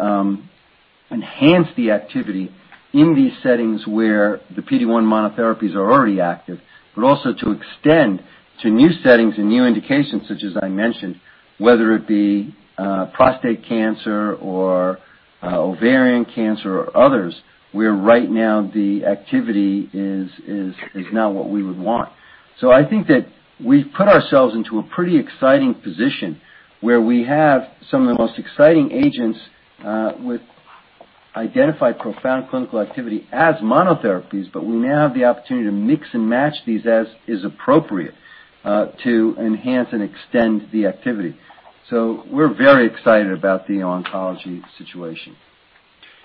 enhance the activity in these settings where the PD-1 monotherapies are already active, but also to extend to new settings and new indications, such as I mentioned, whether it be prostate cancer or ovarian cancer or others, where right now the activity is not what we would want. I think that we've put ourselves into a pretty exciting position where we have some of the most exciting agents, with identified profound clinical activity as monotherapies, but we now have the opportunity to mix and match these as is appropriate, to enhance and extend the activity. We're very excited about the oncology situation.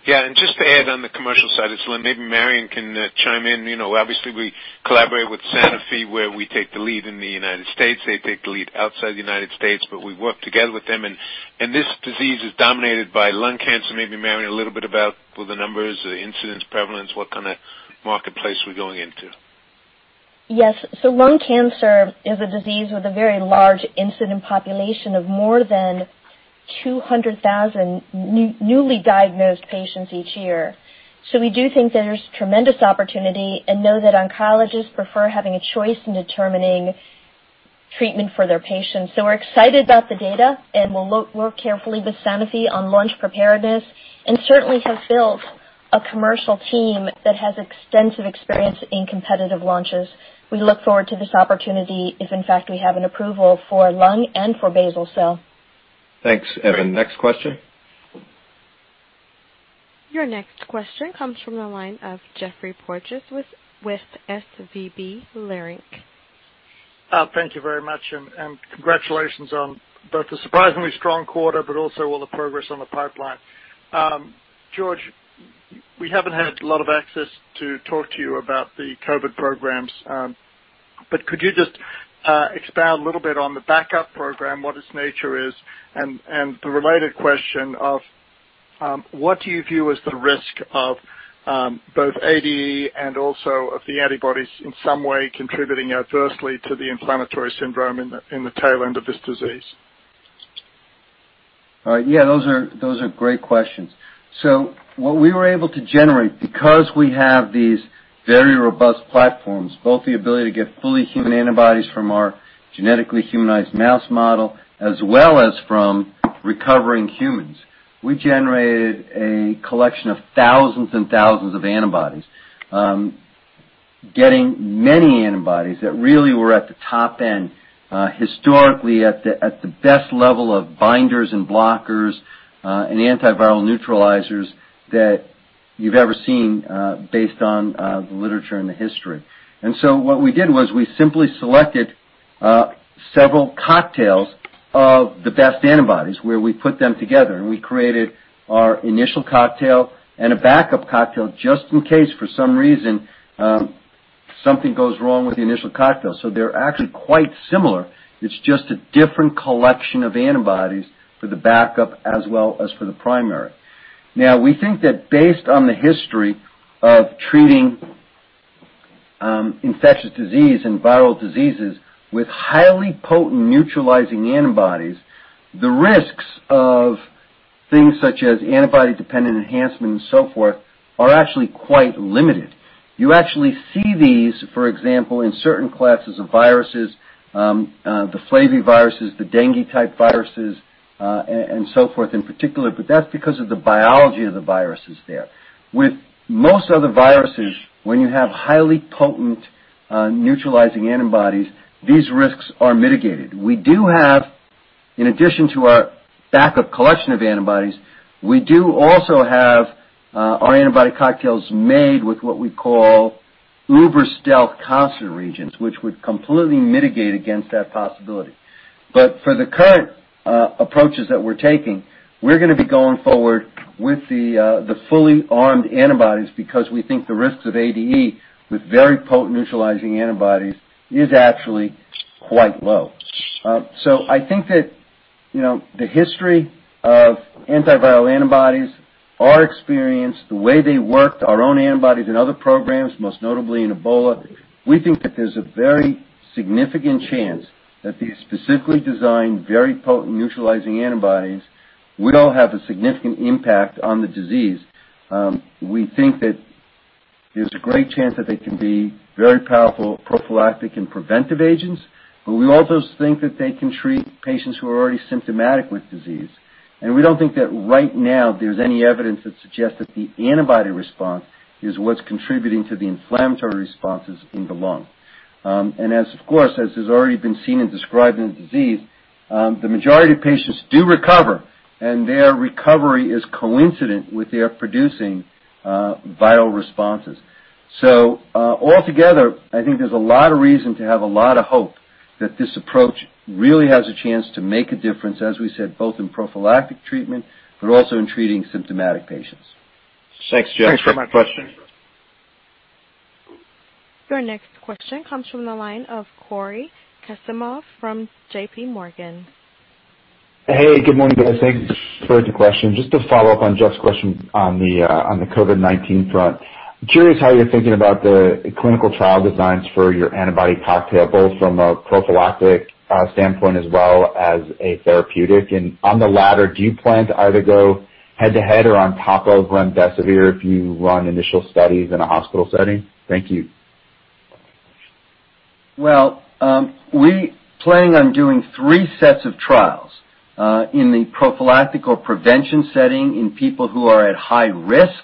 Yeah, just to add on the commercial side of this, maybe Marion can chime in. Obviously, we collaborate with Sanofi where we take the lead in the United States. They take the lead outside the United States, but we work together with them. This disease is dominated by lung cancer. Maybe Marion, a little bit about the numbers, the incidence, prevalence, what kind of marketplace we're going into. Yes. Lung cancer is a disease with a very large incident population of more than 200,000 newly diagnosed patients each year. We do think there's tremendous opportunity and know that oncologists prefer having a choice in determining treatment for their patients. We're excited about the data and will look carefully with Sanofi on launch preparedness and certainly have built a commercial team that has extensive experience in competitive launches. We look forward to this opportunity if in fact we have an approval for lung and for basal cell. Thanks, Evan. Next question. Your next question comes from the line of Geoffrey Porges with SVB Leerink. Thank you very much, and congratulations on both the surprisingly strong quarter, but also all the progress on the pipeline. George, we haven't had a lot of access to talk to you about the COVID programs. Could you just expand a little bit on the backup program, what its nature is? The related question of, what do you view as the risk of both ADE and also of the antibodies in some way contributing adversely to the inflammatory syndrome in the tail end of this disease? Yeah, those are great questions. What we were able to generate, because we have these very robust platforms, both the ability to get fully human antibodies from our genetically humanized mouse model, as well as from recovering humans. We generated a collection of thousands and thousands of antibodies. Getting many antibodies that really were at the top end, historically at the best level of binders and blockers, and antiviral neutralizers that you've ever seen, based on the literature and the history. What we did was we simply selected several cocktails of the best antibodies, where we put them together, and we created our initial cocktail and a backup cocktail just in case for some reason, something goes wrong with the initial cocktail. They're actually quite similar. It's just a different collection of antibodies for the backup as well as for the primary. We think that based on the history of treating infectious disease and viral diseases with highly potent neutralizing antibodies, the risks of things such as antibody-dependent enhancement and so forth are actually quite limited. You actually see these, for example, in certain classes of viruses, the flaviviruses, the dengue type viruses, and so forth in particular, but that's because of the biology of the viruses there. With most other viruses, when you have highly potent neutralizing antibodies, these risks are mitigated. We do have, in addition to our backup collection of antibodies, we do also have our antibody cocktails made with what we call uber stealth constant regions, which would completely mitigate against that possibility. For the current approaches that we're taking, we're going to be going forward with the fully armed antibodies because we think the risks of ADE with very potent neutralizing antibodies is actually quite low. I think that the history of antiviral antibodies, our experience, the way they worked, our own antibodies in other programs, most notably in Ebola, we think that there's a very significant chance that these specifically designed, very potent neutralizing antibodies will have a significant impact on the disease. We think that there's a great chance that they can be very powerful prophylactic and preventive agents, but we also think that they can treat patients who are already symptomatic with disease. We don't think that right now there's any evidence that suggests that the antibody response is what's contributing to the inflammatory responses in the lung. As of course, as has already been seen and described in the disease, the majority of patients do recover, and their recovery is coincident with their producing viral responses. Altogether, I think there's a lot of reason to have a lot of hope that this approach really has a chance to make a difference, as we said, both in prophylactic treatment, but also in treating symptomatic patients. Thanks, Geoff. [Thanks for taking my question] [AUDIO DISTORTION] Your next question comes from the line of Cory Kasimov from JPMorgan. Hey, good morning, guys. Thanks for the question. Just to follow up on Geoff's question on the COVID-19 front. I'm curious how you're thinking about the clinical trial designs for your antibody cocktail, both from a prophylactic standpoint as well as a therapeutic. On the latter, do you plan to either go head to head or on top of remdesivir if you run initial studies in a hospital setting? Thank you. Well, we plan on doing three sets of trials, in the prophylactic or prevention setting in people who are at high risk.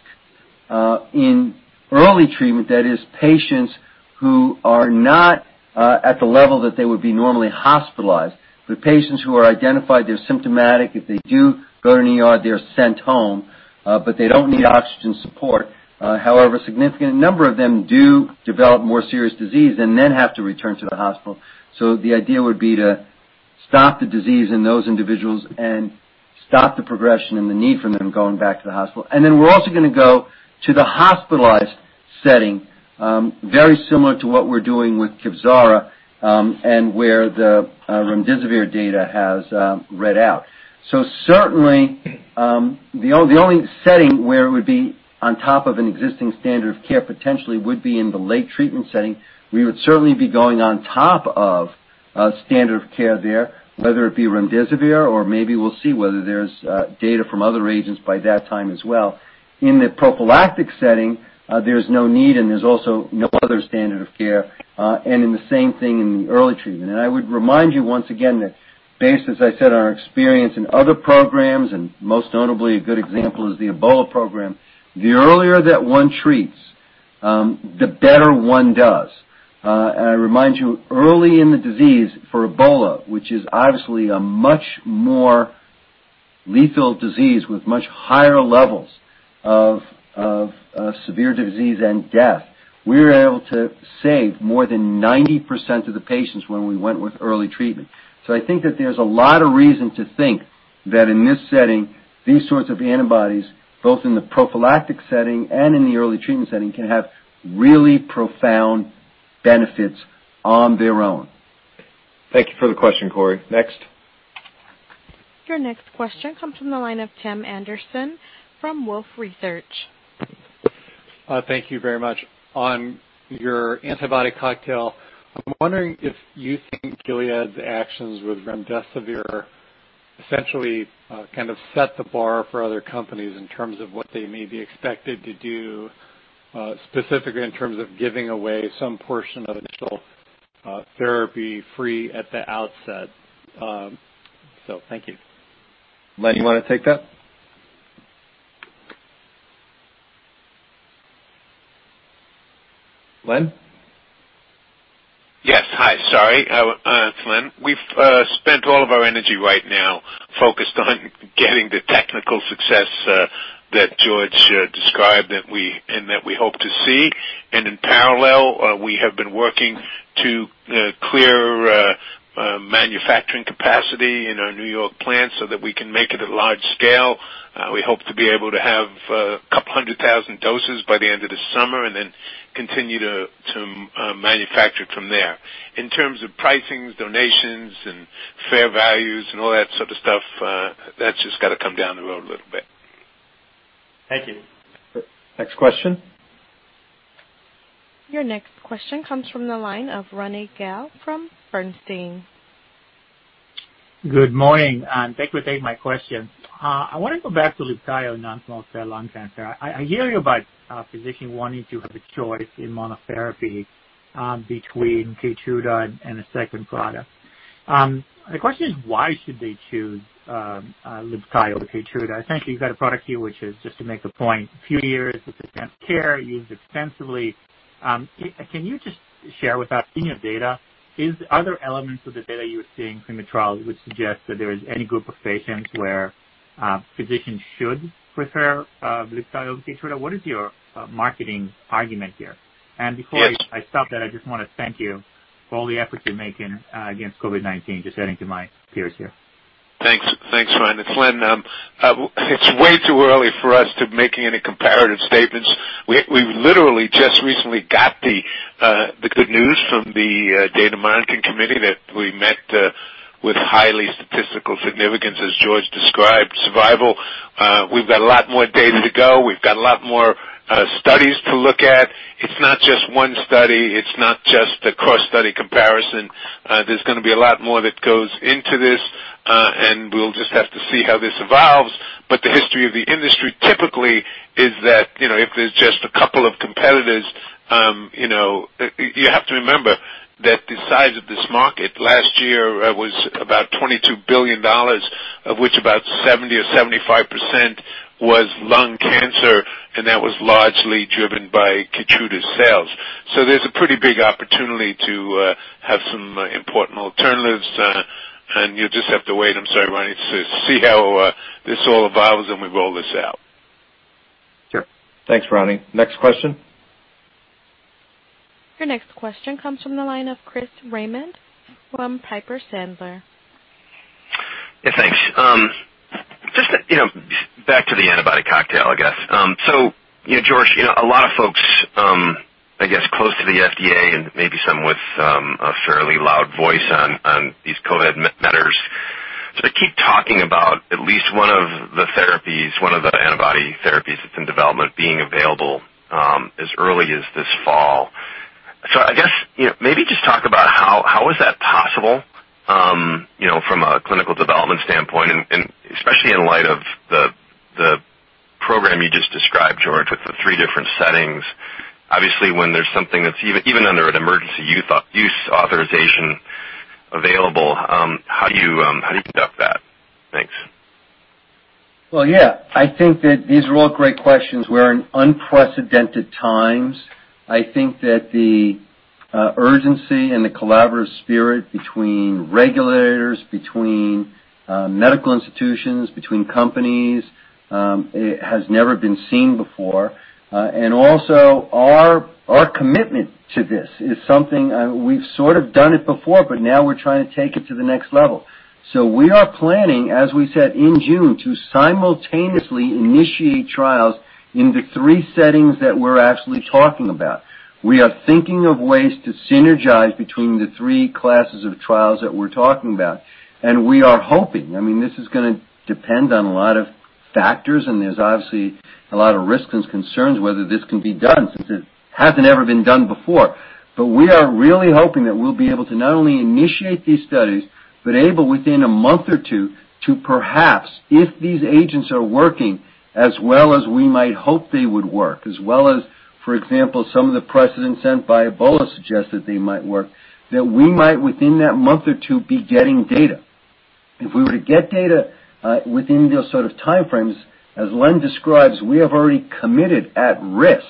In early treatment, that is patients who are not at the level that they would be normally hospitalized, but patients who are identified, they're symptomatic. If they do go to an ER, they're sent home, but they don't need oxygen support. However, a significant number of them do develop more serious disease and then have to return to the hospital. The idea would be to stop the disease in those individuals and stop the progression and the need for them going back to the hospital. We're also going to go to the hospitalized setting, very similar to what we're doing with KEVZARA, and where the remdesivir data has read out. Certainly, the only setting where it would be on top of an existing standard of care potentially would be in the late treatment setting. We would certainly be going on top of standard of care there, whether it be remdesivir or maybe we'll see whether there's data from other agents by that time as well. In the prophylactic setting, there's no need and there's also no other standard of care, and in the same thing in the early treatment. I would remind you once again that based, as I said, on our experience in other programs, and most notably a good example is the Ebola program, the earlier that one treats, the better one does. I remind you, early in the disease for Ebola, which is obviously a much more lethal disease with much higher levels of severe disease and death, we were able to save more than 90% of the patients when we went with early treatment. I think that there's a lot of reason to think that in this setting, these sorts of antibodies, both in the prophylactic setting and in the early treatment setting, can have really profound benefits on their own. Thank you for the question, Cory. Next. Your next question comes from the line of Tim Anderson from Wolfe Research. Thank you very much. On your antibody cocktail, I'm wondering if you think Gilead's actions with remdesivir essentially kind of set the bar for other companies in terms of what they may be expected to do, specifically in terms of giving away some portion of initial therapy free at the outset. Thank you. Len, you want to take that? Len? Yes. Hi. Sorry. It's Len. We've spent all of our energy right now focused on getting the technical success that George described and that we hope to see. In parallel, we have been working to clear manufacturing capacity in our New York plant so that we can make it at large scale. We hope to be able to have a couple hundred thousand doses by the end of the summer and then continue to manufacture from there. In terms of pricings, donations, and fair values and all that sort of stuff, that's just got to come down the road a little bit. Thank you. Next question. Your next question comes from the line of Ronny Gal from Bernstein. Good morning, and thank you for taking my question. I want to go back to LIBTAYO non-small cell lung cancer. I hear you about physicians wanting to have a choice in monotherapy between KEYTRUDA and a second product. The question is, why should they choose LIBTAYO, KEYTRUDA? I think you've got a product here, which is just to make the point, a few years, it's a standard care used extensively. Can you just share with us, in your data, are there elements of the data you're seeing from the trials which suggest that there is any group of patients where physicians should prefer LIBTAYO KEYTRUDA? What is your marketing argument here? [AUDIO DISTORTION] Before I stop, I just want to thank you for all the effort you're making against COVID-19, just adding to my peers here. Thanks, Ronny. Len, it's way too early for us to making any comparative statements. We literally just recently got the good news from the data monitoring committee that we met with highly statistical significance, as George described, survival. We've got a lot more data to go. We've got a lot more studies to look at. It's not just one study. It's not just a cross-study comparison. There's going to be a lot more that goes into this. We'll just have to see how this evolves. The history of the industry typically is that, if there's just a couple of competitors, you have to remember that the size of this market last year was about $22 billion, of which about 70% or 75% was lung cancer, and that was largely driven by KEYTRUDA sales. There's a pretty big opportunity to have some important alternatives, and you'll just have to wait, I'm sorry, Ronny, to see how this all evolves when we roll this out. Sure. Thanks, Ronny. Next question. Your next question comes from the line of Chris Raymond from Piper Sandler. Yeah, thanks. Just back to the antibody cocktail, I guess. George, a lot of folks, I guess, close to the FDA and maybe some with a fairly loud voice on these COVID matters. They keep talking about at least one of the therapies, one of the antibody therapies that's in development being available as early as this fall. I guess, maybe just talk about how is that possible from a clinical development standpoint, and especially in light of the program you just described, George, with the three different settings. Obviously, when there's something that's even under an emergency use authorization available, how do you conduct that? Thanks. Well, yeah. I think that these are all great questions. We're in unprecedented times. I think that the urgency and the collaborative spirit between regulators, between medical institutions, between companies has never been seen before. Also our commitment to this is something we've sort of done it before, but now we're trying to take it to the next level. We are planning, as we said in June, to simultaneously initiate trials in the three settings that we're actually talking about. We are thinking of ways to synergize between the three classes of trials that we're talking about. We are hoping, this is going to depend on a lot of factors, and there's obviously a lot of risks and concerns whether this can be done since it hasn't ever been done before. We are really hoping that we'll be able to not only initiate these studies, but able within a month or two to perhaps, if these agents are working as well as we might hope they would work, as well as, for example, some of the precedent set by Ebola suggest that they might work, that we might within that month or two be getting data. If we were to get data within those sort of time frames, as Len describes, we have already committed at risk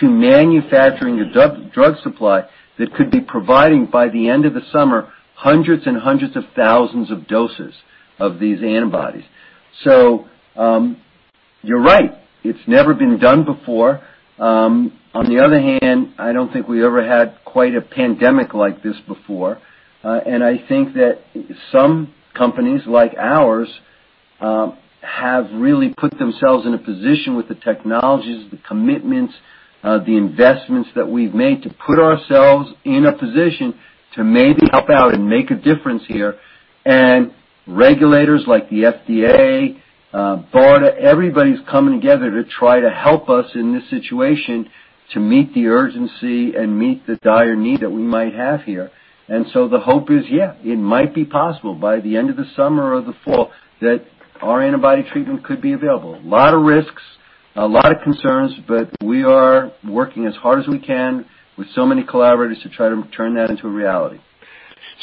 to manufacturing a drug supply that could be providing by the end of the summer, hundreds and hundreds of thousands of doses of these antibodies. You're right. It's never been done before. On the other hand, I don't think we ever had quite a pandemic like this before. I think that some companies like ours have really put themselves in a position with the technologies, the commitments, the investments that we've made to put ourselves in a position to maybe help out and make a difference here. Regulators like the FDA, BARDA, everybody's coming together to try to help us in this situation to meet the urgency and meet the dire need that we might have here. The hope is, yeah, it might be possible by the end of the summer or the fall that our antibody treatment could be available. A lot of risks, a lot of concerns, but we are working as hard as we can with so many collaborators to try to turn that into a reality.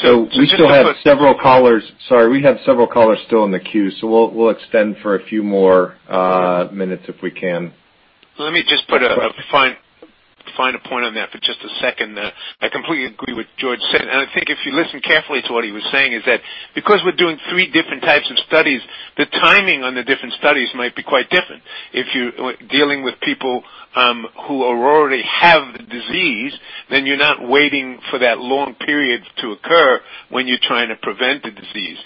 We still have several callers. Sorry, we have several callers still in the queue, so we'll extend for a few more minutes if we can. Let me just put a finer point on that for just a second. I completely agree with George, and I think if you listen carefully to what he was saying is that because we're doing three different types of studies, the timing on the different studies might be quite different. If you're dealing with people who already have the disease, then you're not waiting for that long period to occur when you're trying to prevent the disease.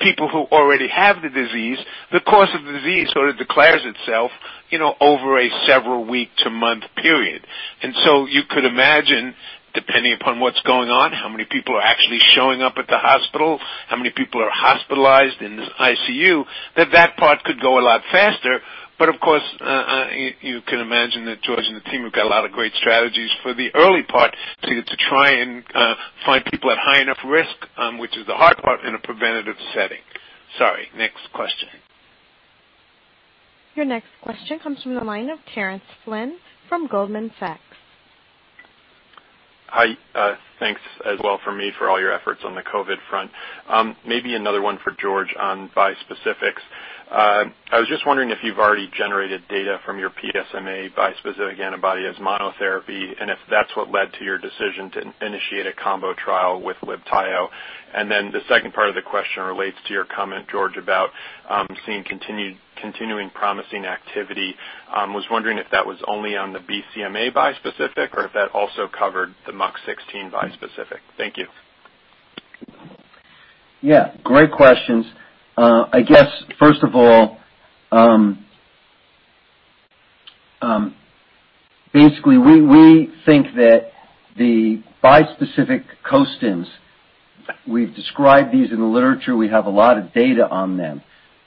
People who already have the disease, the course of the disease sort of declares itself over a several week to month period. You could imagine, depending upon what's going on, how many people are actually showing up at the hospital, how many people are hospitalized in the ICU, that that part could go a lot faster. Of course, you can imagine that George and the team have got a lot of great strategies for the early part to try and find people at high enough risk, which is the hard part in a preventative setting. Sorry, next question. Your next question comes from the line of Terence Flynn from Goldman Sachs. Hi, thanks as well from me for all your efforts on the COVID front. Another one for George on bispecifics. I was just wondering if you've already generated data from your PSMA bispecific antibody as monotherapy, and if that's what led to your decision to initiate a combo trial with LIBTAYO. The second part of the question relates to your comment, George, about seeing continuing promising activity. I was wondering if that was only on the BCMA bispecific or if that also covered the MUC16 bispecific? Thank you. Yeah, great questions. I guess, first of all, basically, we think that the bispecific [costims], we've described these in the literature, we have a lot of data on them.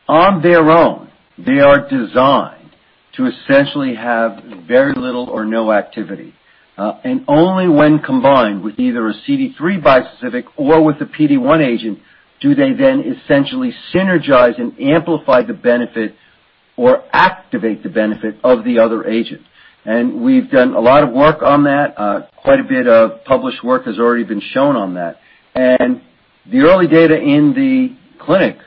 On their own, they are designed to essentially have very little or no activity. Only when combined with either a CD3 bispecific or with a PD-1 agent, do they then essentially synergize and amplify the benefit or activate the benefit of the other agent. We've done a lot of work on that. Quite a bit of published work has already been shown on that. The early data in the clinic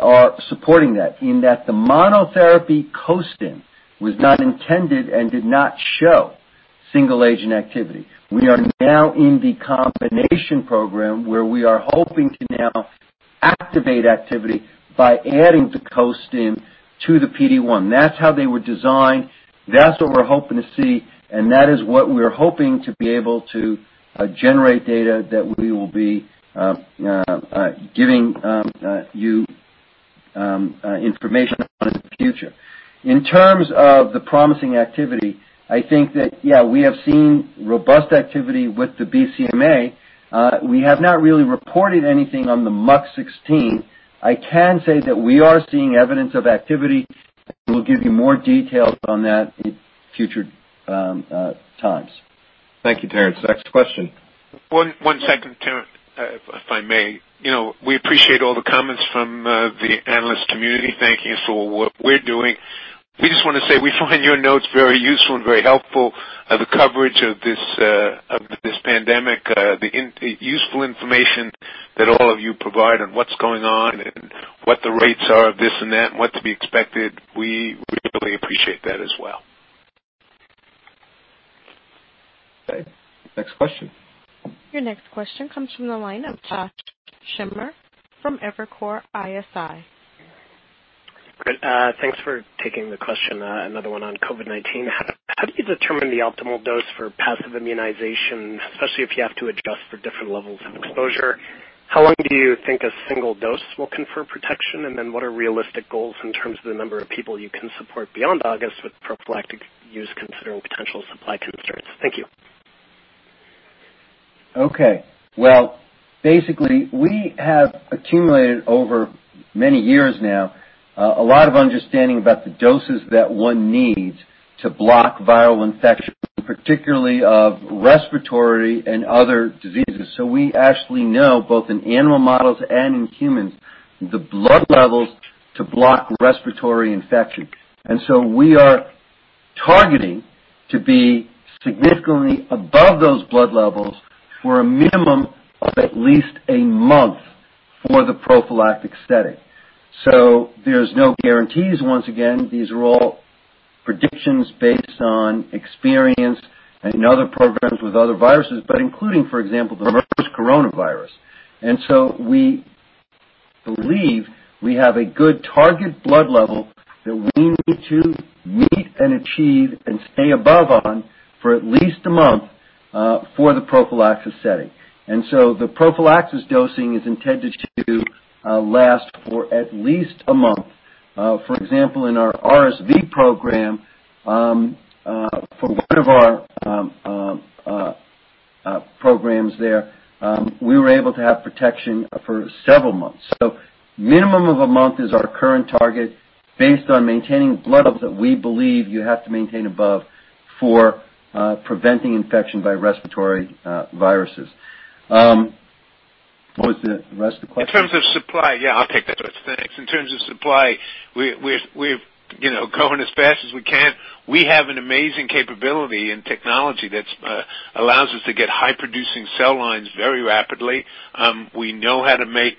are supporting that, in that the monotherapy [costim] was not intended and did not show single agent activity. We are now in the combination program where we are hoping to now activate activity by adding the [costim] to the PD-1. That's how they were designed, that's what we're hoping to see, and that is what we're hoping to be able to generate data that we will be giving you information on in the future. In terms of the promising activity, I think that, yeah, we have seen robust activity with the BCMA. We have not really reported anything on the MUC16. I can say that we are seeing evidence of activity. We'll give you more details on that in future times. Thank you, Terence. Next question. One second, Terence, if I may. We appreciate all the comments from the analyst community thanking us for what we're doing. We just want to say we find your notes very useful and very helpful. The coverage of this pandemic, the useful information that all of you provide on what's going on and what the rates are of this and that, and what to be expected. We really appreciate that as well. Okay. Next question. Your next question comes from the line of Josh Schimmer from Evercore ISI. Great. Thanks for taking the question, another one on COVID-19. How do you determine the optimal dose for passive immunization, especially if you have to adjust for different levels of exposure? How long do you think a single dose will confer protection? What are realistic goals in terms of the number of people you can support beyond August with prophylactic use, considering potential supply constraints? Thank you. Okay. Well, basically, we have accumulated over many years now, a lot of understanding about the doses that one needs to block viral infection, particularly of respiratory and other diseases. We actually know, both in animal models and in humans, the blood levels to block respiratory infection. We are targeting to be significantly above those blood levels for a minimum of at least a month for the prophylactic setting. There's no guarantees, once again. These are all predictions based on experience and other programs with other viruses, but including, for example, the [MERS] coronavirus. We believe we have a good target blood level that we need to meet and achieve and stay above on for at least a month for the prophylaxis setting. The prophylaxis dosing is intended to last for at least a month. For example, in our RSV program, for one of our programs there, we were able to have protection for several months. Minimum of a month is our current target based on maintaining blood levels that we believe you have to maintain above for preventing infection by respiratory viruses. What was the rest of the question? In terms of supply, yeah, I'll take that, Terence, thanks. In terms of supply, we're going as fast as we can. We have an amazing capability and technology that allows us to get high-producing cell lines very rapidly. We know how to make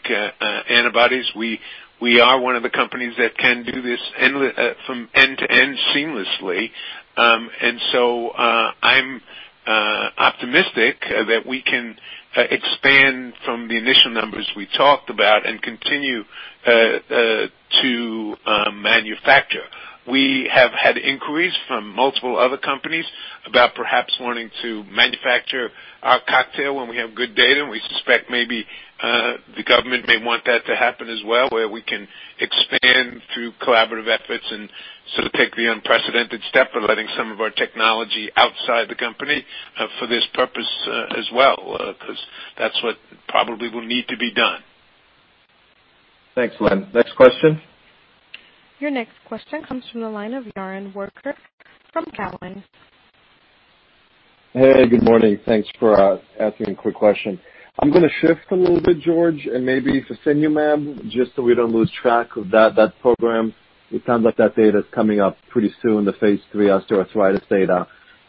antibodies. We are one of the companies that can do this from end to end seamlessly. I'm optimistic that we can expand from the initial numbers we talked about and continue to manufacture. We have had inquiries from multiple other companies about perhaps wanting to manufacture our cocktail when we have good data. We suspect maybe the government may want that to happen as well, where we can expand through collaborative efforts and sort of take the unprecedented step of letting some of our technology outside the company for this purpose as well because that's what probably will need to be done. Thanks, Len. Next question. Your next question comes from the line of Yaron Werber from Cowen. Hey, good morning. Thanks for asking a quick question. I'm going to shift a little bit, George, and maybe fasinumab, just so we don't lose track of that program. It sounds like that data's coming up pretty soon, the phase III osteoarthritis data.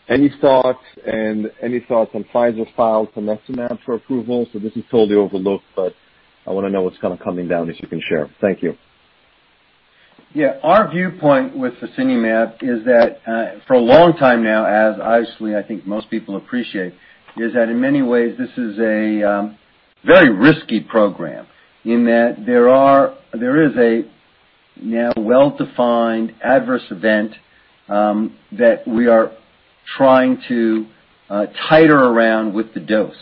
Any thoughts, and any thoughts on Pfizer's file for [tanezumab] for approval? This is totally overlooked, but I want to know what's coming down, if you can share. Thank you. Yeah. Our viewpoint with fasinumab is that for a long time now, as obviously I think most people appreciate, is that in many ways this is a very risky program in that there is now a well-defined adverse event that we are trying to titer around with the dose.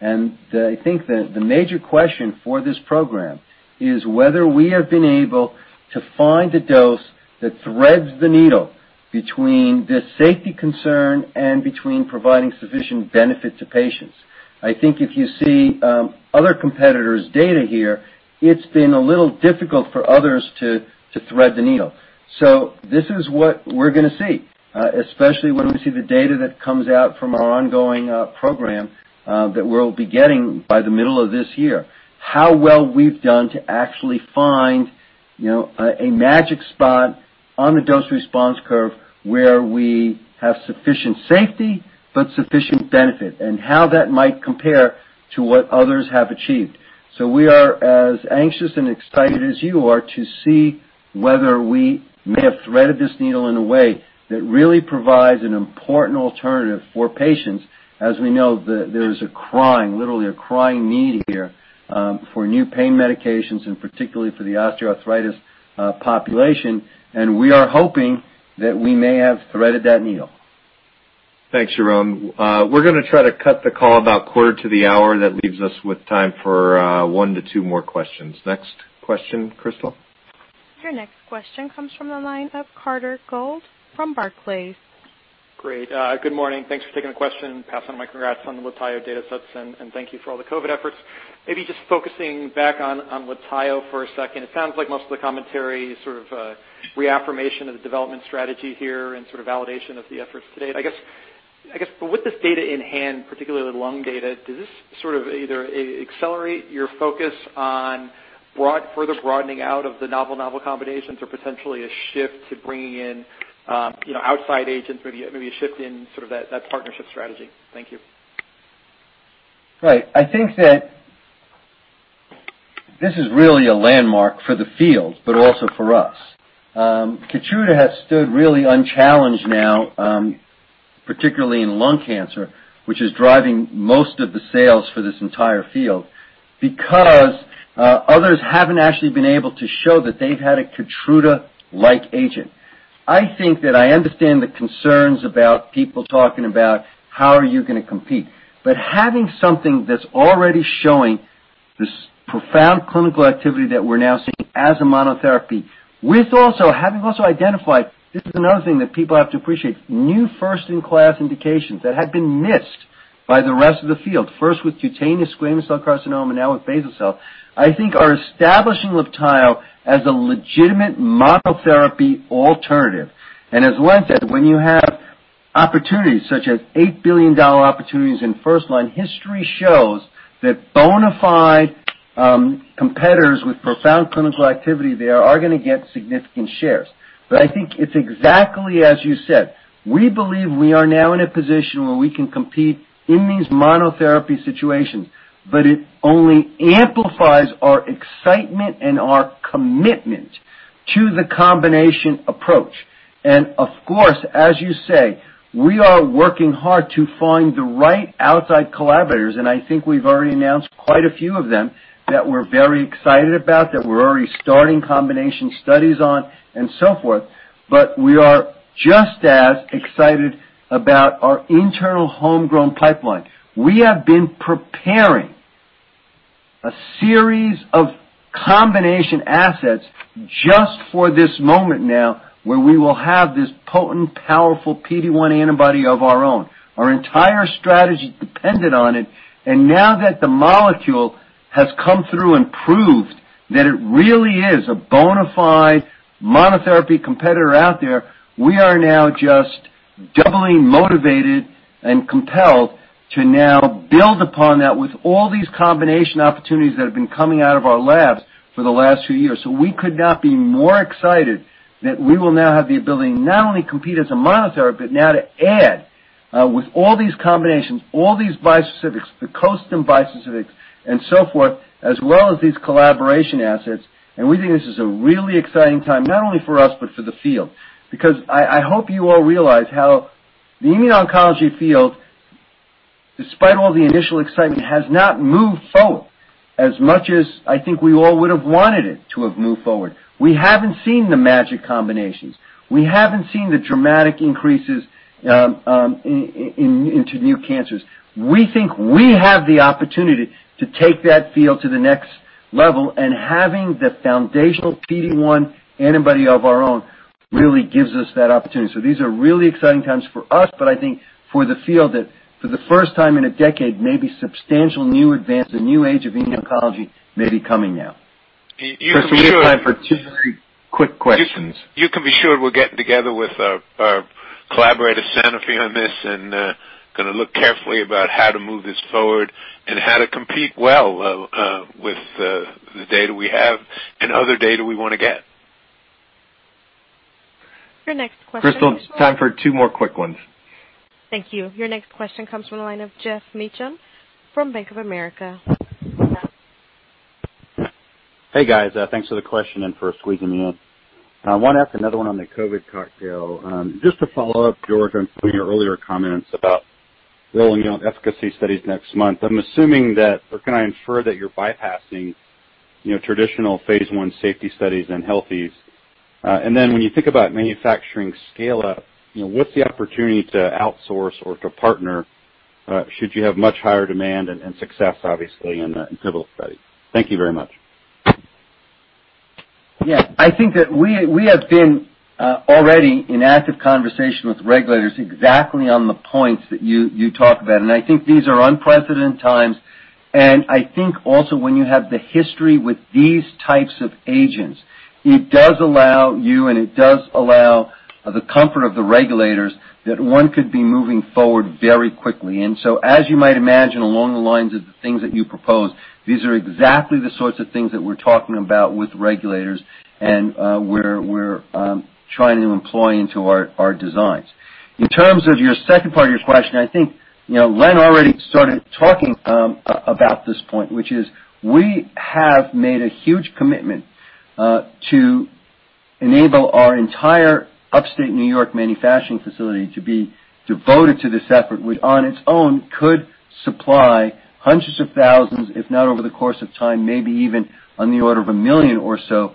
I think that the major question for this program is whether we have been able to find a dose that threads the needle between this safety concern and between providing sufficient benefit to patients. I think if you see other competitors' data here, it's been a little difficult for others to thread the needle. This is what we're going to see, especially when we see the data that comes out from our ongoing program that we'll be getting by the middle of this year, how well we've done to actually find a magic spot on the dose-response curve where we have sufficient safety but sufficient benefit, and how that might compare to what others have achieved. We are as anxious and excited as you are to see whether we may have threaded this needle in a way that really provides an important alternative for patients. We know, there is literally a crying need here for new pain medications, and particularly for the osteoarthritis population, and we are hoping that we may have threaded that needle. Thanks, Yaron. We're going to try to cut the call about quarter to the hour. That leaves us with time for one to two more questions. Next question, Crystal. Your next question comes from the line of Carter Gould from Barclays. Great. Good morning. Thanks for taking the question. Pass on my congrats on the LIBTAYO data sets, and thank you for all the COVID efforts. Maybe just focusing back on LIBTAYO for a second, it sounds like most of the commentary is sort of a reaffirmation of the development strategy here and sort of validathion of the efforts to date. I guess with this data in hand, particularly lung data, does this sort of either accelerate your focus on further broadening out of the novel combinations or potentially a shift to bringing in outside agents, maybe a shift in that partnership strategy? Thank you. Right. I think that this is really a landmark for the field, but also for us. KEYTRUDA has stood really unchallenged now particularly in lung cancer, which is driving most of the sales for this entire field, because others haven't actually been able to show that they've had a KEYTRUDA-like agent. I think that I understand the concerns about people talking about how are you going to compete, but having something that's already showing this profound clinical activity that we're now seeing as a monotherapy with also having also identified, this is another thing that people have to appreciate, new first-in-class indications that had been missed by the rest of the field, first with cutaneous squamous cell carcinoma, now with basal cell, I think are establishing LIBTAYO as a legitimate monotherapy alternative. As Len said, when you have opportunities such as $8 billion opportunities in first-line, history shows that bona fide competitors with profound clinical activity there are going to get significant shares. I think it's exactly as you said. We believe we are now in a position where we can compete in these monotherapy situations, it only amplifies our excitement and our commitment to the combination approach. Of course, as you say, we are working hard to find the right outside collaborators, I think we've already announced quite a few of them that we're very excited about, that we're already starting combination studies on and so forth. We are just as excited about our internal homegrown pipeline. We have been preparing a series of combination assets just for this moment now where we will have this potent, powerful PD-1 antibody of our own. Our entire strategy depended on it. Now that the molecule has come through and proved that it really is a bona fide monotherapy competitor out there, we are now just doubly motivated and compelled to now build upon that with all these combination opportunities that have been coming out of our labs for the last few years. We could not be more excited that we will now have the ability not only compete as a monotherapy, but now to add with all these combinations, all these bispecifics, the [costim] bispecifics and so forth, as well as these collaboration assets. We think this is a really exciting time, not only for us, but for the field. I hope you all realize how the immuno-oncology field, despite all the initial excitement, has not moved forward as much as I think we all would have wanted it to have moved forward. We haven't seen the magic combinations. We haven't seen the dramatic increases into new cancers. We think we have the opportunity to take that field to the next level, and having the foundational PD-1 antibody of our own really gives us that opportunity. These are really exciting times for us, but I think for the field that for the first time in a decade, maybe substantial new advance, a new age of immuno-oncology may be coming now. Crystal, we have time for two very quick questions. You can be sure we're getting together with our collaborator, Sanofi, on this, and going to look carefully about how to move this forward and how to compete well with the data we have and other data we want to get. Your next question. Crystal, time for two more quick ones. Thank you. Your next question comes from the line of Geoff Meacham from Bank of America. Hey, guys. Thanks for the question and for squeezing me in. I want to ask another one on the COVID cocktail. Just to follow up, George, on some of your earlier comments about rolling out efficacy studies next month. I'm assuming that, or can I infer that you're bypassing traditional phase I safety studies in [health]? When you think about manufacturing scale-up, what's the opportunity to outsource or to partner should you have much higher demand and success, obviously, in the pivotal study? Thank you very much. Yeah. I think that we have been already in active conversation with regulators exactly on the points that you talk about. I think these are unprecedented times, and I think also when you have the history with these types of agents, it does allow you and it does allow the comfort of the regulators that one could be moving forward very quickly. As you might imagine, along the lines of the things that you propose, these are exactly the sorts of things that we're talking about with regulators and we're trying to employ into our designs. In terms of your second part of your question, I think Len already started talking about this point, which is we have made a huge commitment to enable our entire upstate New York manufacturing facility to be devoted to this effort, which on its own could supply hundreds of thousands, if not over the course of time, maybe even on the order of a million or so,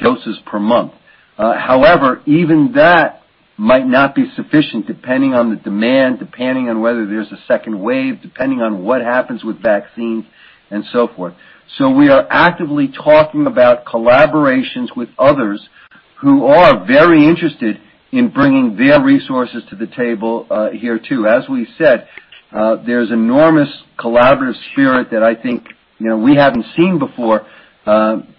doses per month. Even that might not be sufficient depending on the demand, depending on whether there's a second wave, depending on what happens with vaccines and so forth. We are actively talking about collaborations with others who are very interested in bringing their resources to the table here too. As we've said, there's enormous collaborative spirit that I think we haven't seen before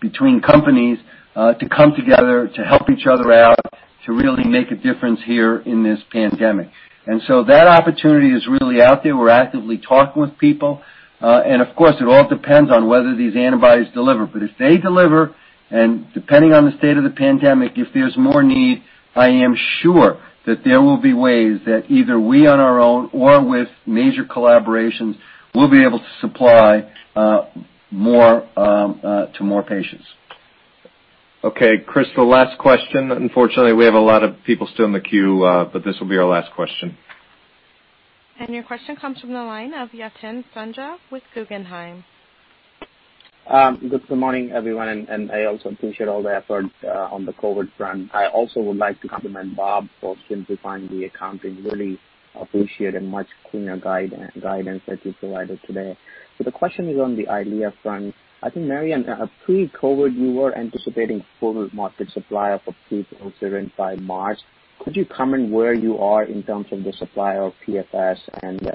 between companies to come together, to help each other out, to really make a difference here in this pandemic. That opportunity is really out there. We're actively talking with people. Of course, it all depends on whether these antibodies deliver. If they deliver, and depending on the state of the pandemic, if there's more need, I am sure that there will be ways that either we on our own or with major collaborations will be able to supply more to more patients. Okay. Crystal, last question. Unfortunately, we have a lot of people still in the queue, but this will be our last question. Your question comes from the line of Yatin Suneja with Guggenheim. Good morning, everyone. I also appreciate all the efforts on the COVID front. I also would like to compliment Rob for simplifying the accounting. Really appreciate a much cleaner guidance that you provided today. The question is on the EYLEA front. I think, Marion, pre-COVID, you were anticipating total market supply of a prefilled syringe by March. Could you comment where you are in terms of the supply of PFS and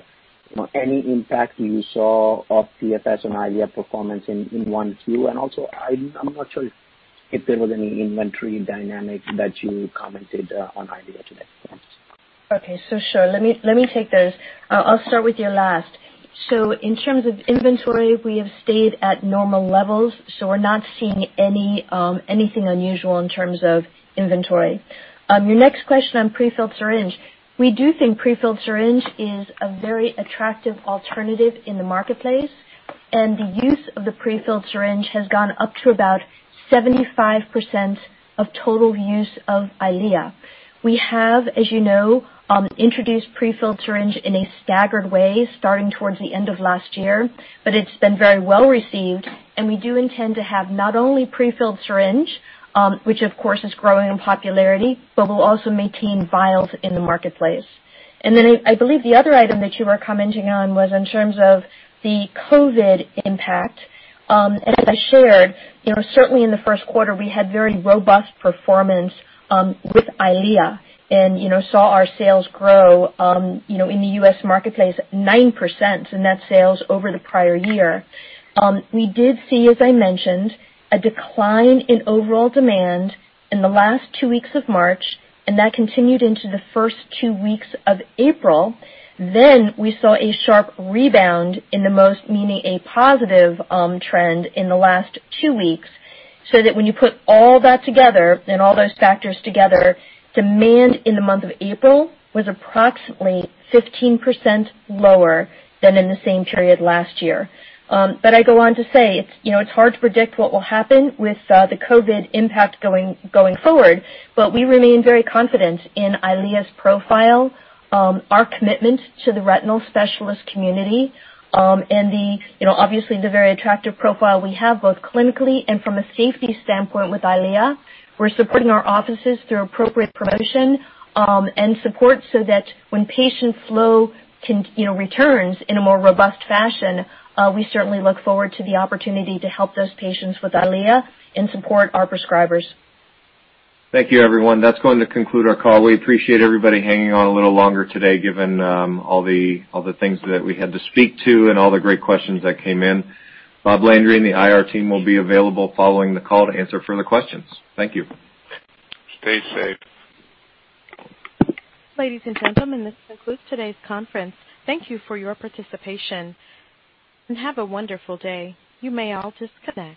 any impact you saw of PFS on EYLEA performance in 1Q? Also, I'm not sure if there was any inventory dynamic that you commented on EYLEA today. Okay, sure. Let me take those. I'll start with your last. In terms of inventory, we have stayed at normal levels, so we're not seeing anything unusual in terms of inventory. Your next question on prefilled syringe. We do think prefilled syringe is a very attractive alternative in the marketplace, and the use of the prefilled syringe has gone up to about 75% of total use of EYLEA. We have, as you know, introduced prefilled syringe in a staggered way starting towards the end of last year, but it's been very well received, and we do intend to have not only prefilled syringe, which of course is growing in popularity, but we'll also maintain vials in the marketplace. I believe the other item that you were commenting on was in terms of the COVID impact. As I shared, certainly in the first quarter, we had very robust performance with EYLEA and saw our sales grow in the U.S. marketplace 9% in net sales over the prior year. We did see, as I mentioned, a decline in overall demand in the last two weeks of March. That continued into the first two weeks of April. We saw a sharp rebound in the most, meaning a positive trend in the last two weeks. When you put all that together and all those factors together, demand in the month of April was approximately 15% lower than in the same period last year. I go on to say, it's hard to predict what will happen with the COVID impact going forward, but we remain very confident in EYLEA's profile, our commitment to the retinal specialist community, and obviously the very attractive profile we have, both clinically and from a safety standpoint with EYLEA. We're supporting our offices through appropriate promotion and support so that when patient flow returns in a more robust fashion, we certainly look forward to the opportunity to help those patients with EYLEA and support our prescribers. Thank you, everyone. That's going to conclude our call. We appreciate everybody hanging on a little longer today, given all the things that we had to speak to and all the great questions that came in. Rob Landry and the IR team will be available following the call to answer further questions. Thank you. Stay safe. Ladies and gentlemen, this concludes today's conference. Thank you for your participation and have a wonderful day. You may all disconnect.